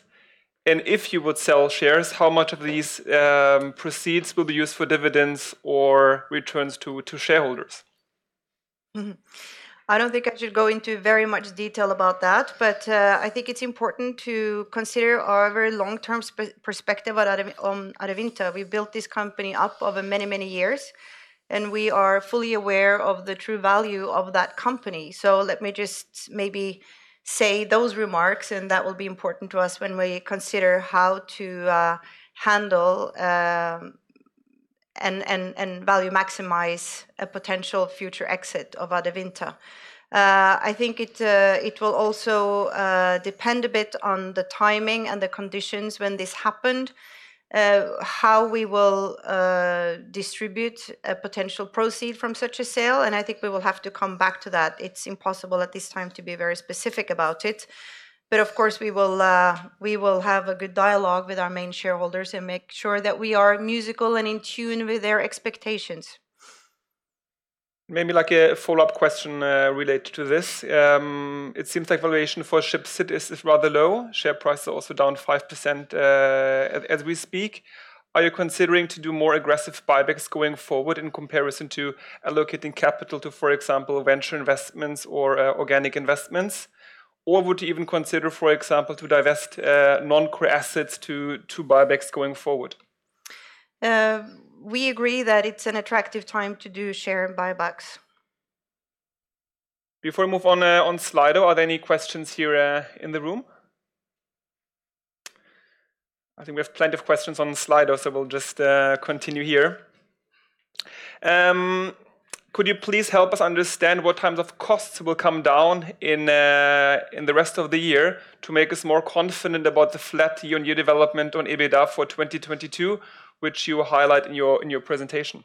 S1: And if you would sell shares, how much of these proceeds will be used for dividends or returns to shareholders?
S2: I don't think I should go into very much detail about that, but I think it's important to consider our very long-term perspective at Adevinta. We built this company up over many, many years, and we are fully aware of the true value of that company. Let me just maybe say those remarks, and that will be important to us when we consider how to handle and value maximize a potential future exit of Adevinta. I think it will also depend a bit on the timing and the conditions when this happened, how we will distribute a potential proceed from such a sale. I think we will have to come back to that. It's impossible at this time to be very specific about it. Of course, we will have a good dialogue with our main shareholders and make sure that we are musical and in tune with their expectations.
S1: Maybe like a follow-up question related to this. It seems like valuation for Schibsted is rather low. Share price also down 5%, as we speak. Are you considering to do more aggressive buybacks going forward in comparison to allocating capital to, for example, venture investments or organic investments? Or would you even consider, for example, to divest non-core assets to buybacks going forward?
S2: We agree that it's an attractive time to do share buybacks.
S1: Before we move on Slido, are there any questions here, in the room? I think we have plenty of questions on Slido, so we'll just continue here. Could you please help us understand what kinds of costs will come down in the rest of the year to make us more confident about the flat year-on-year development on EBITDA for 2022, which you highlight in your presentation?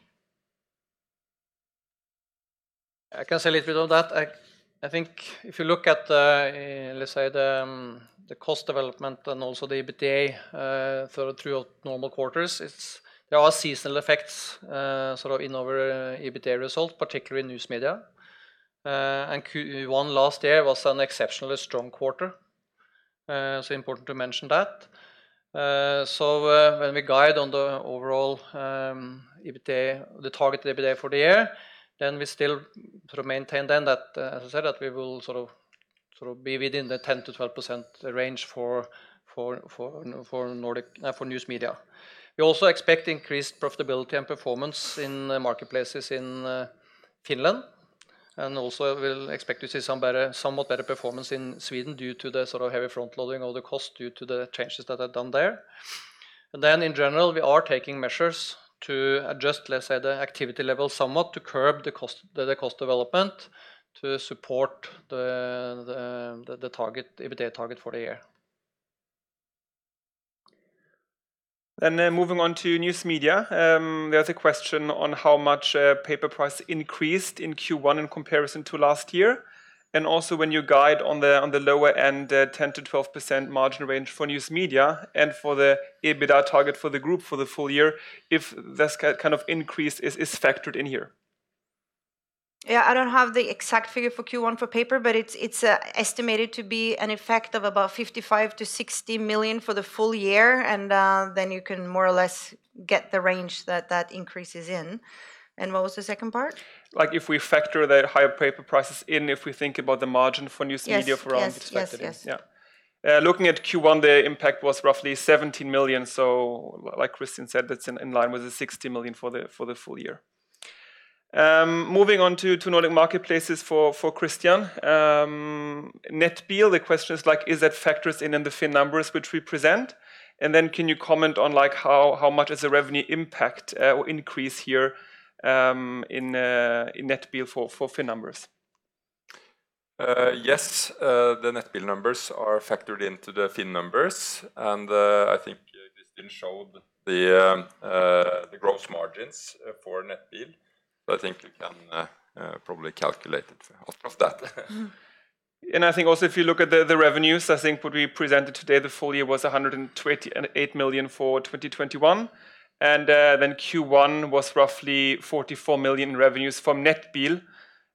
S3: I can say a little bit on that. I think if you look at the, let's say, the cost development and also the EBITDA through normal quarters, there are seasonal effects sort of in our EBITDA result, particularly News Media. Q1 last year was an exceptionally strong quarter, important to mention that. When we guide on the overall EBITDA, the target EBITDA for the year, then we still sort of maintain then that, as I said, that we will sort of be within the 10%-12% range for News Media. We also expect increased profitability and performance in the marketplaces in Finland, and also we'll expect to see somewhat better performance in Sweden due to the sort of heavy front-loading of the cost due to the changes that are done there. Then in general, we are taking measures to adjust, let's say, the activity level somewhat to curb the cost development to support the EBITDA target for the year.
S1: Moving on to News Media. There's a question on how much paper price increased in Q1 in comparison to last year, and also when you guide on the lower end 10%-12% margin range for News Media and for the EBITDA target for the group for the full year, if this kind of increase is factored in here.
S2: Yeah, I don't have the exact figure for Q1 for paper, but it's estimated to be an effect of about 55-60 million for the full year, and then you can more or less get the range that increase is in. What was the second part?
S1: Like if we factor the higher paper prices in, if we think about the margin for News Media for our expected years.
S2: Yes.
S1: Yeah. Looking at Q1, the impact was roughly 17 million. Like Kristin said, that's in line with the 60 million for the full year. Moving on to Nordic Marketplaces for Kristin. Nettbil, the question is like, is that factored in the FINN numbers which we present? And then can you comment on like how much is the revenue impact or increase here in Nettbil for FINN numbers?
S4: Yes, the Nettbil numbers are factored into the FINN numbers, and I think Kristin showed the gross margins for Nettbil. I think you can probably calculate it out of that.
S1: I think also if you look at the revenues, I think what we presented today, the full year was 128 million for 2021, then Q1 was roughly 44 million in revenues from Nettbil.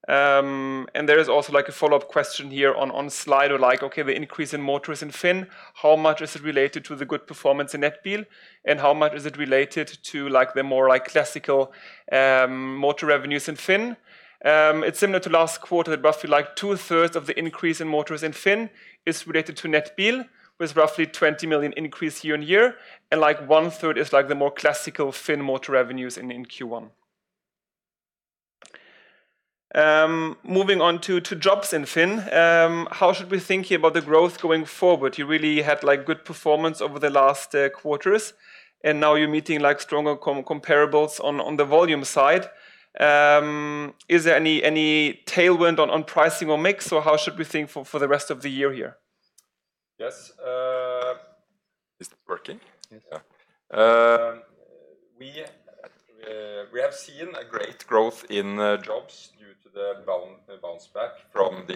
S1: And there is also like a follow-up question here on Slido, like, okay, the increase in Motors is in Finn. How much is it related to the good performance in Nettbil, and how much is it related to like the more like classical Motors revenues in Finn? It's similar to last quarter, roughly like two-thirds of the increase in Motors in Finn is related to Nettbil, with roughly 20 million increase year-on-year, and like one-third is like the more classical Finn Motors revenues in Q1. Moving on to jobs in Finn. How should we think about the growth going forward? You really had like good performance over the last quarters, and now you're meeting like stronger comparables on the volume side. Is there any tailwind on pricing or mix, or how should we think for the rest of the year here?
S4: Yes. Is it working?
S1: Yes.
S4: Yeah. We have seen a great growth in Jobs due to the bounce back. During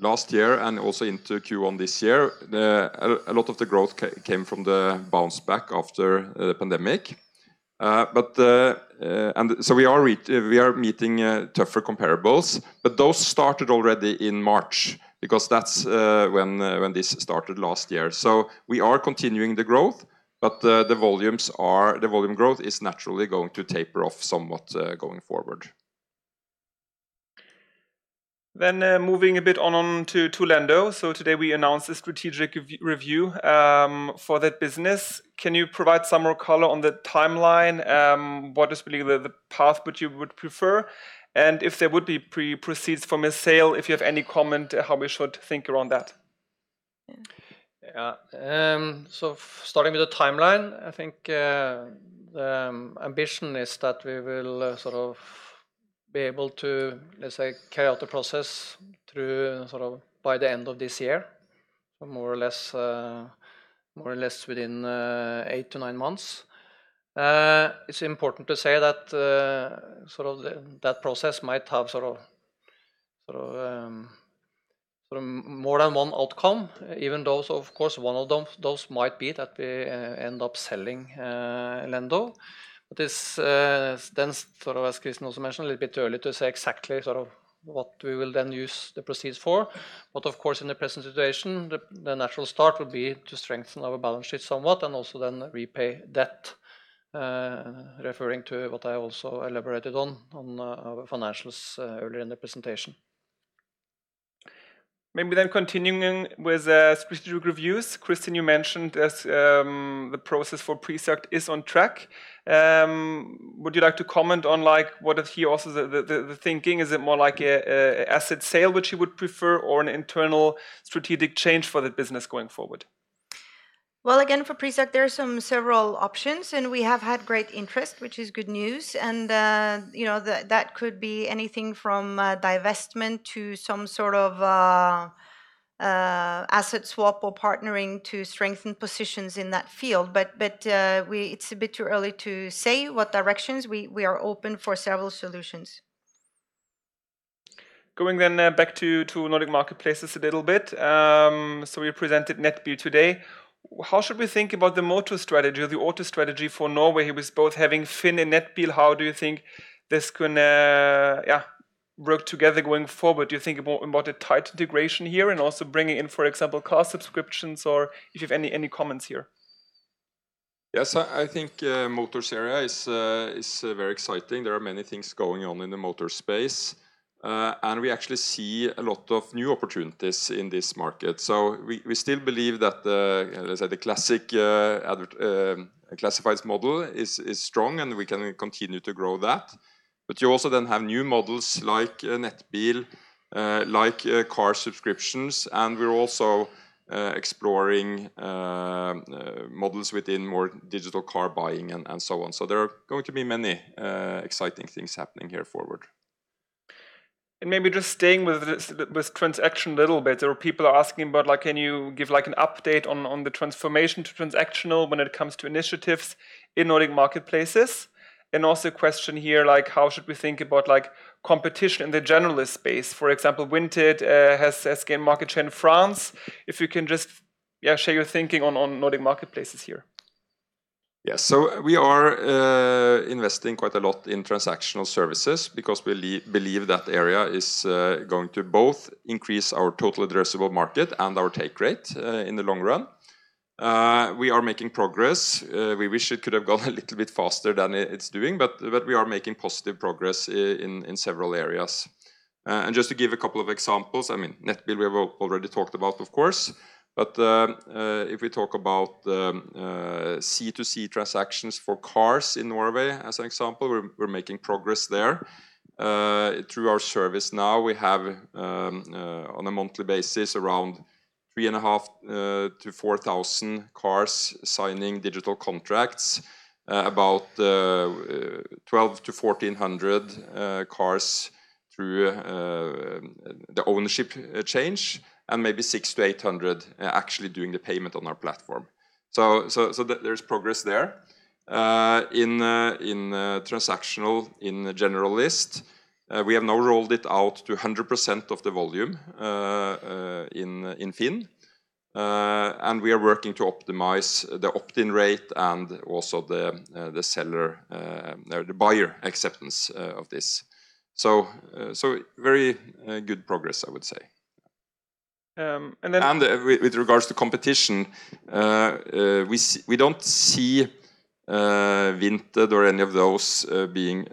S4: last year and also into Q1 this year, a lot of the growth came from the bounce back after the pandemic. But we are meeting tougher comparables, but those started already in March because that's when this started last year. We are continuing the growth, but the volume growth is naturally going to taper off somewhat going forward.
S1: Moving a bit on to Lendo. Today we announced a strategic review for that business. Can you provide some more color on the timeline? What is really the path which you would prefer? And if there would be proceeds from a sale, if you have any comment how we should think around that?
S3: Yeah. Starting with the timeline, I think, the ambition is that we will sort of be able to, let's say, carry out the process through sort of by the end of this year, more or less, within 8-9 months. It's important to say that sort of that process might have sort of more than one outcome, even though, of course, one of them, those might be that we end up selling Lendo. It's then sort of, as Kristin also mentioned, a little bit too early to say exactly sort of what we will then use the proceeds for. Of course, in the present situation, the natural start would be to strengthen our balance sheet somewhat and also then repay debt, referring to what I also elaborated on our financials earlier in the presentation.
S1: Maybe continuing with strategic reviews. Kristin, you mentioned as the process for Prisjakt is on track. Would you like to comment on what is here also the thinking? Is it more like a asset sale which you would prefer or an internal strategic change for the business going forward?
S2: Well, again, for Prisjakt, there are several options, and we have had great interest, which is good news. You know, that could be anything from divestment to some sort of asset swap or partnering to strengthen positions in that field. It's a bit too early to say what directions. We are open for several solutions.
S1: Going back to Nordic Marketplaces a little bit. We presented Nettbil today. How should we think about the motor strategy or the auto strategy for Norway with both having FINN and Nettbil? How do you think this can work together going forward? Do you think about a tight integration here and also bringing in, for example, car subscriptions or if you have any comments here?
S4: Yes, I think Motors area is very exciting. There are many things going on in the Motors space, and we actually see a lot of new opportunities in this market. We still believe that the, let's say, the classic classifieds model is strong, and we can continue to grow that. You also then have new models like Nettbil, like car subscriptions, and we're also exploring models within more digital car buying and so on. There are going to be many exciting things happening going forward.
S1: Maybe just staying with this, with transactions a little bit. There are people asking about, like, can you give, like, an update on the transformation to transactional when it comes to initiatives in Nordic Marketplaces? Also a question here, like, how should we think about, like, competition in the Generalist space? For example, Vinted has gained market share in France. If you can just, yeah, share your thinking on Nordic Marketplaces here.
S4: Yes. We are investing quite a lot in transactional services because we believe that area is going to both increase our total addressable market and our take rate in the long run. We are making progress. We wish it could have gone a little bit faster than it's doing, but we are making positive progress in several areas. Just to give a couple of examples, I mean, Nettbil we've already talked about, of course. If we talk about C2C transactions for cars in Norway as an example, we're making progress there. Through our service now, we have on a monthly basis around 3.5-4,000 cars signing digital contracts, about 1,200-1,400 cars through the ownership change, and maybe 600-800 actually doing the payment on our platform. There's progress there. In transactional in Generalist, we have now rolled it out to 100% of the volume in FINN. We are working to optimize the opt-in rate and also the seller, no, the buyer acceptance of this. Very good progress, I would say.
S1: Um, and then-
S4: With regards to competition, we don't see Vinted or any of those being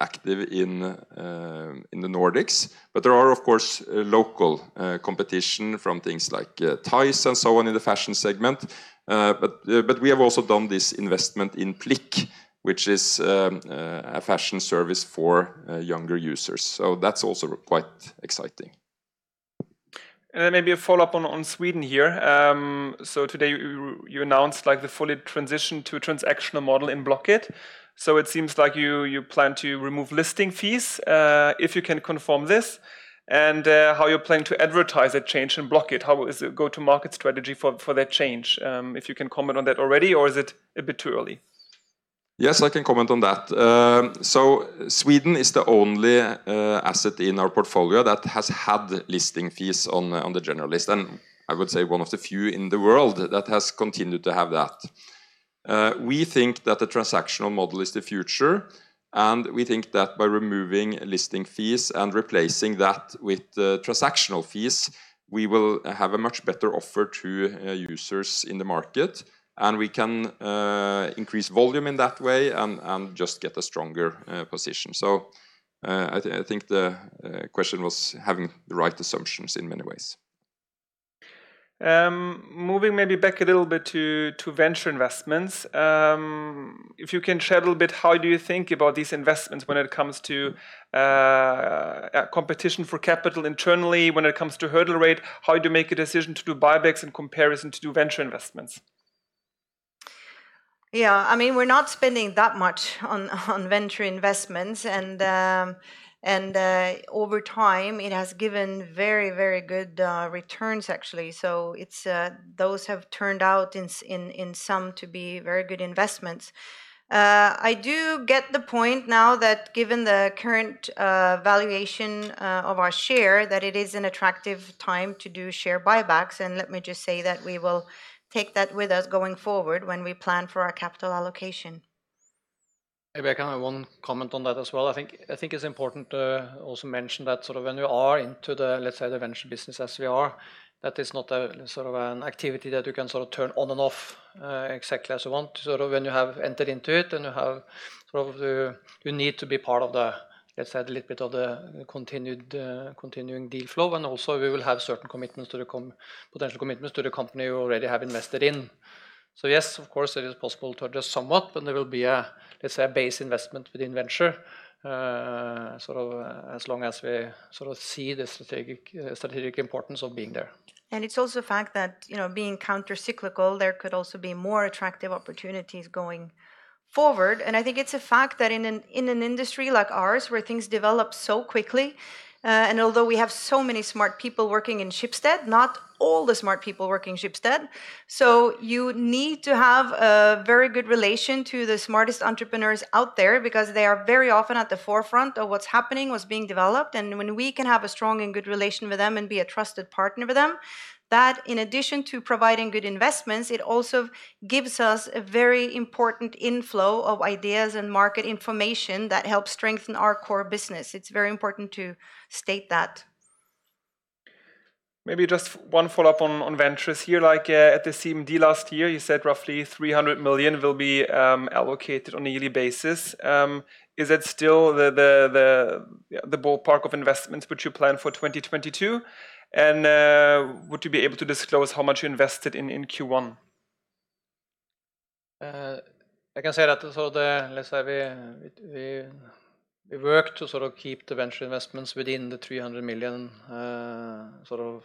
S4: active in the Nordics. There are, of course, local competition from things like Tise and so on in the fashion segment. But we have also done this investment in Plick, which is a fashion service for younger users. That's also quite exciting.
S1: Maybe a follow-up on Sweden here. So today you announced, like, the full transition to a transactional model in Blocket. It seems like you plan to remove listing fees, if you can confirm this, and how you're planning to advertise that change in Blocket. How is the go-to-market strategy for that change? If you can comment on that already, or is it a bit too early?
S4: Yes, I can comment on that. Sweden is the only asset in our portfolio that has had listing fees on the generalist, and I would say one of the few in the world that has continued to have that. We think that the transactional model is the future, and we think that by removing listing fees and replacing that with transactional fees, we will have a much better offer to users in the market, and we can increase volume in that way and just get a stronger position. I think the question was having the right assumptions in many ways.
S1: Moving maybe back a little bit to venture investments. If you can share a little bit how do you think about these investments when it comes to competition for capital internally when it comes to hurdle rate? How do you make a decision to do buybacks in comparison to do venture investments?
S2: Yeah. I mean, we're not spending that much on venture investments and over time it has given very good returns actually. Those have turned out in some to be very good investments. I do get the point now that given the current valuation of our share, that it is an attractive time to do share buybacks, and let me just say that we will take that with us going forward when we plan for our capital allocation.
S3: Maybe I can one comment on that as well. I think it's important to also mention that sort of when you are into the, let's say, the venture business as we are, that is not a sort of an activity that you can sort of turn on and off exactly as you want. Sort of when you have entered into it and you have sort of you need to be part of the, let's say, a little bit of the continuing deal flow. Also we will have certain commitments, potential commitments to the company you already have invested in. Yes, of course it is possible to just sum up, and there will be a, let's say, a base investment within venture sort of as long as we sort of see the strategic importance of being there.
S2: It's also a fact that, you know, being countercyclical, there could also be more attractive opportunities going forward. I think it's a fact that in an industry like ours where things develop so quickly, and although we have so many smart people working in Schibsted, not all the smart people work in Schibsted. You need to have a very good relation to the smartest entrepreneurs out there because they are very often at the forefront of what's happening, what's being developed. When we can have a strong and good relation with them and be a trusted partner with them, that in addition to providing good investments, it also gives us a very important inflow of ideas and market information that helps strengthen our core business. It's very important to state that.
S1: Maybe just one follow-up on ventures here. Like, at the CMD last year, you said roughly 300 million will be allocated on a yearly basis. Is it still the ballpark of investments which you plan for 2022? Would you be able to disclose how much you invested in Q1?
S3: I can say that let's say we work to sort of keep the venture investments within the 300 million sort of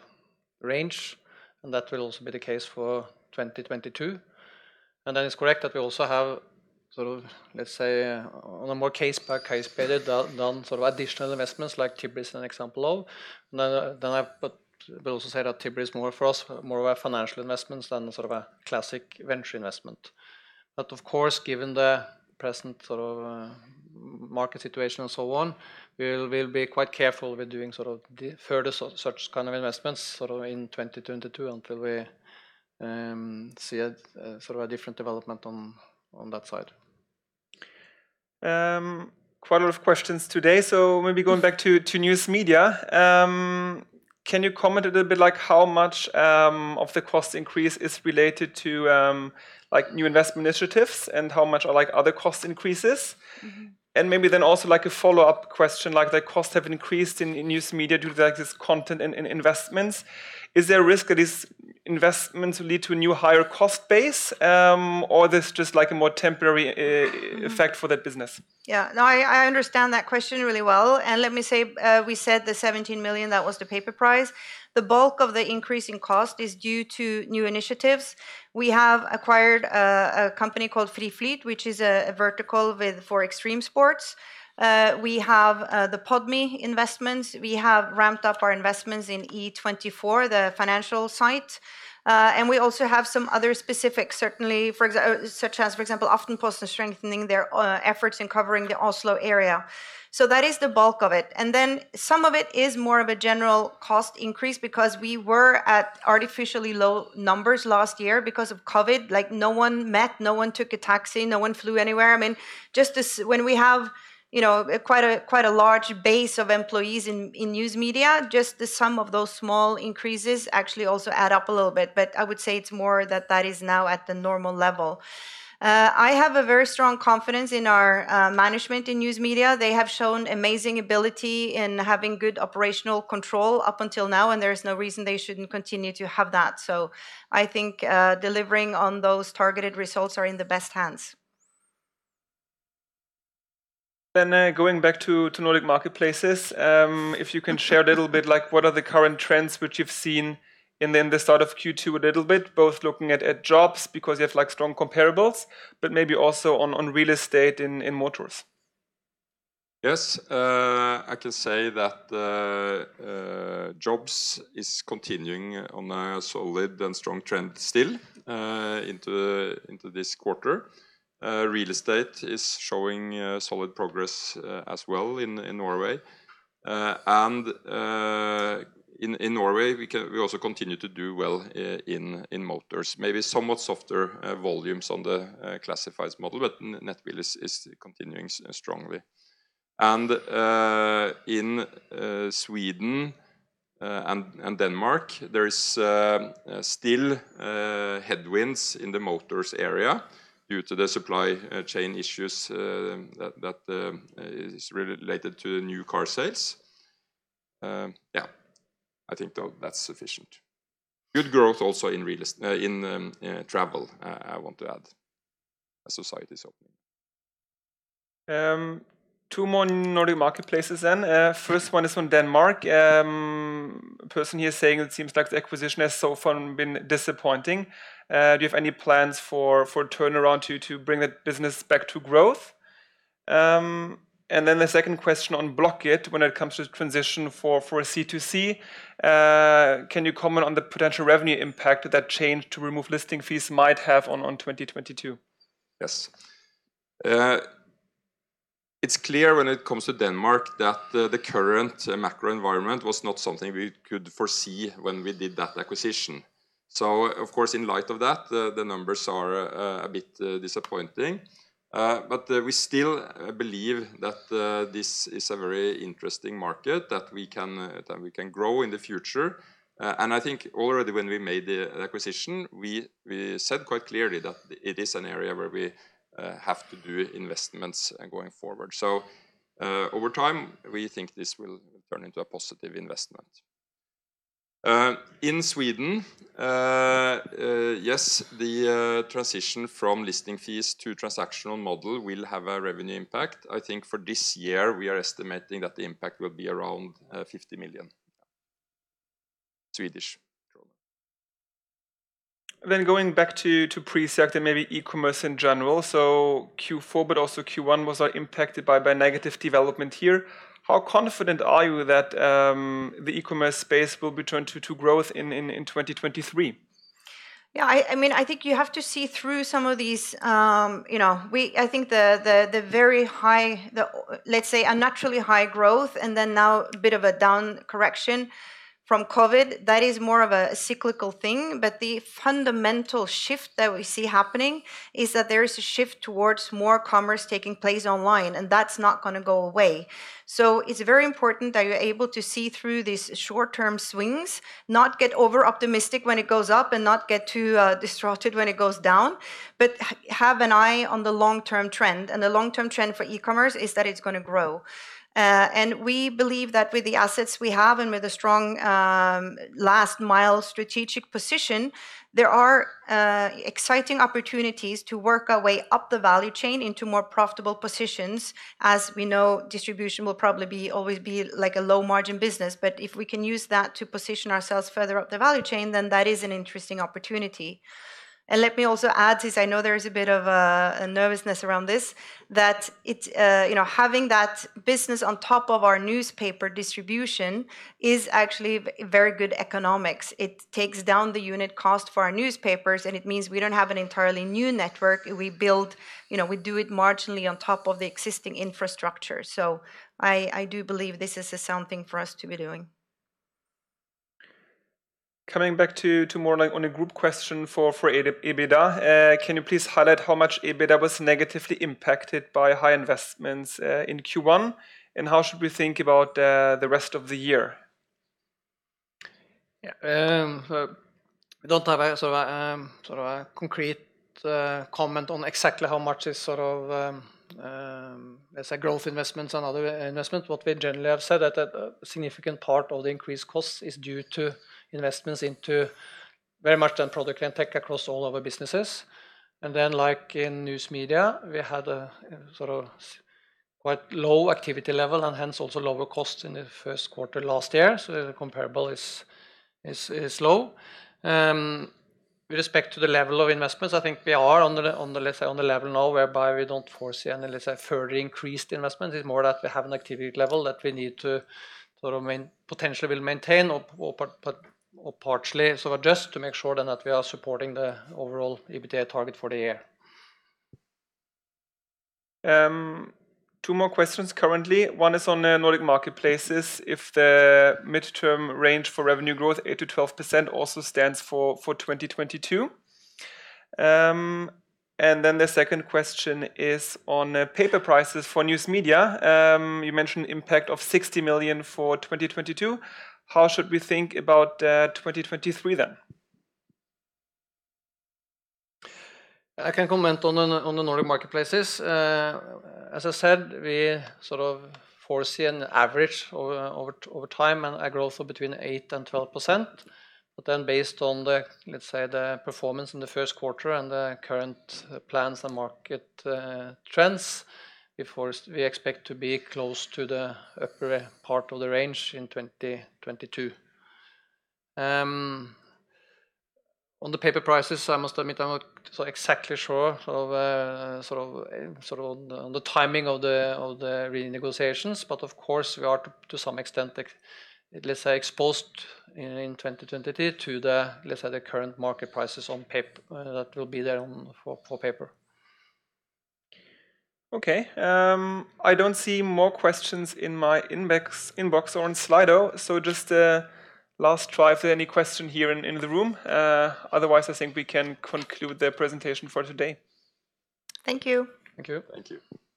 S3: range, and that will also be the case for 2022. That is correct that we also have sort of, let's say, on a more case by case basis done sort of additional investments like Tibber is an example of. Then I but will also say that Tibber is more for us, more of a financial investment than sort of a classic venture investment. Of course, given the present sort of market situation and so on, we'll be quite careful with doing sort of the further such kind of investments sort of in 2022 until we see a sort of a different development on that side.
S1: Quite a lot of questions today. Maybe going back to News Media. Can you comment a little bit like how much of the cost increase is related to like new investment initiatives and how much are like other cost increases?
S2: Mm-hmm.
S1: Maybe then also like a follow-up question, like the costs have increased in News Media due to like this content and investments. Is there a risk that these investments will lead to a new higher cost base, or this just like a more temporary effect for that business?
S2: Yeah. No, I understand that question really well. Let me say, we said the 17 million, that was the paper price. The bulk of the increase in cost is due to new initiatives. We have acquired a company called Fri Flyt, which is a vertical for extreme sports. We have the Podme investments. We have ramped up our investments in E24, the financial site. And we also have some other specifics, certainly, such as, for example, Aftenposten strengthening their efforts in covering the Oslo area. That is the bulk of it. Then some of it is more of a general cost increase because we were at artificially low numbers last year because of COVID. Like, no one met, no one took a taxi, no one flew anywhere. I mean, just as when we have, you know, quite a large base of employees in News Media, just the sum of those small increases actually also add up a little bit. I would say it's more that that is now at the normal level. I have a very strong confidence in our management in News Media. They have shown amazing ability in having good operational control up until now, and there is no reason they shouldn't continue to have that. I think, delivering on those targeted results are in the best hands.
S1: Going back to Nordic Marketplaces, if you can share a little bit like what are the current trends which you've seen in the start of Q2 a little bit, both looking at jobs because you have like strong comparables, but maybe also on real estate and motors.
S4: Yes. I can say that the Jobs is continuing on a solid and strong trend still into this quarter. Real estate is showing solid progress as well in Norway. In Norway, we also continue to do well in motors. Maybe somewhat softer volumes on the classifieds model, but Nettbil is continuing strongly. In Sweden and Denmark, there is still headwinds in the motors area due to the supply chain issues that is related to the new car sales. Yeah, I think that's sufficient. Good growth also in travel, I want to add as society is opening.
S1: Two more Nordic Marketplaces. First one is from Denmark. Person here saying it seems like the acquisition has so far been disappointing. Do you have any plans for turnaround to bring the business back to growth? Second question on Blocket when it comes to transition for C2C, can you comment on the potential revenue impact that change to remove listing fees might have on 2022? Yes.
S4: It's clear when it comes to Denmark that the current macro environment was not something we could foresee when we did that acquisition. Of course, in light of that, the numbers are a bit disappointing. We still believe that this is a very interesting market that we can grow in the future. I think already when we made the acquisition, we said quite clearly that it is an area where we have to do investments going forward. Over time, we think this will turn into a positive investment. In Sweden, yes, the transition from listing fees to transactional model will have a revenue impact. I think for this year we are estimating that the impact will be around 50 million.
S1: Going back to Prisjakt and maybe e-commerce in general. Q4 but also Q1 was impacted by negative development here. How confident are you that the e-commerce space will return to growth in 2023?
S2: Yeah. I mean, I think you have to see through some of these, you know. I think the very high, let's say, unnaturally high growth and then now a bit of a down correction from COVID, that is more of a cyclical thing. The fundamental shift that we see happening is that there is a shift towards more commerce taking place online, and that's not gonna go away. It's very important that you're able to see through these short-term swings, not get over-optimistic when it goes up and not get too distraught when it goes down, but have an eye on the long-term trend. The long-term trend for e-commerce is that it's gonna grow. We believe that with the assets we have and with a strong last mile strategic position, there are exciting opportunities to work our way up the value chain into more profitable positions. As we know, distribution will probably always be like a low-margin business. If we can use that to position ourselves further up the value chain, then that is an interesting opportunity. Let me also add this, I know there is a bit of a nervousness around this, that it's you know, having that business on top of our newspaper distribution is actually very good economics. It takes down the unit cost for our newspapers, and it means we don't have an entirely new network. We build, you know, we do it marginally on top of the existing infrastructure. I do believe this is a sound thing for us to be doing.
S1: Coming back to more like on a group question for EBITDA, can you please highlight how much EBITDA was negatively impacted by high investments in Q1, and how should we think about the rest of the year?
S3: Yeah. We don't have sort of a concrete comment on exactly how much is sort of, let's say, growth investments and other investment. What we generally have said that a significant part of the increased costs is due to investments into very much on product and tech across all our businesses. Like in News Media, we had sort of a quite low activity level and hence also lower cost in the first quarter last year. The comparable is low. With respect to the level of investments, I think we are on the level now whereby we don't foresee any, let's say, further increased investment.
S4: It's more that we have an activity level that we need to sort of potentially will maintain or partially sort of adjust to make sure then that we are supporting the overall EBITDA target for the year.
S1: Two more questions currently. One is on the Nordic Marketplaces, if the midterm range for revenue growth 8%-12% also stands for 2022. The second question is on paper prices for News Media. You mentioned impact of 60 million for 2022. How should we think about 2023 then?
S4: I can comment on the Nordic Marketplaces. As I said, we sort of foresee an average over time and a growth of between 8% and 12%. Based on the, let's say, the performance in the first quarter and the current plans and market trends, we expect to be close to the upper part of the range in 2022. On the paper prices, I must admit I'm not so exactly sure of, sort of on the timing of the renegotiations. Of course, we are to some extent, like, let's say, exposed in 2022 to the, let's say, the current market prices on paper that will be there on for paper.
S1: Okay. I don't see more questions in my inbox or on Slido. Just last try if there are any question here in the room. Otherwise, I think we can conclude the presentation for today.
S2: Thank you.
S4: Thank you.
S1: Thank you.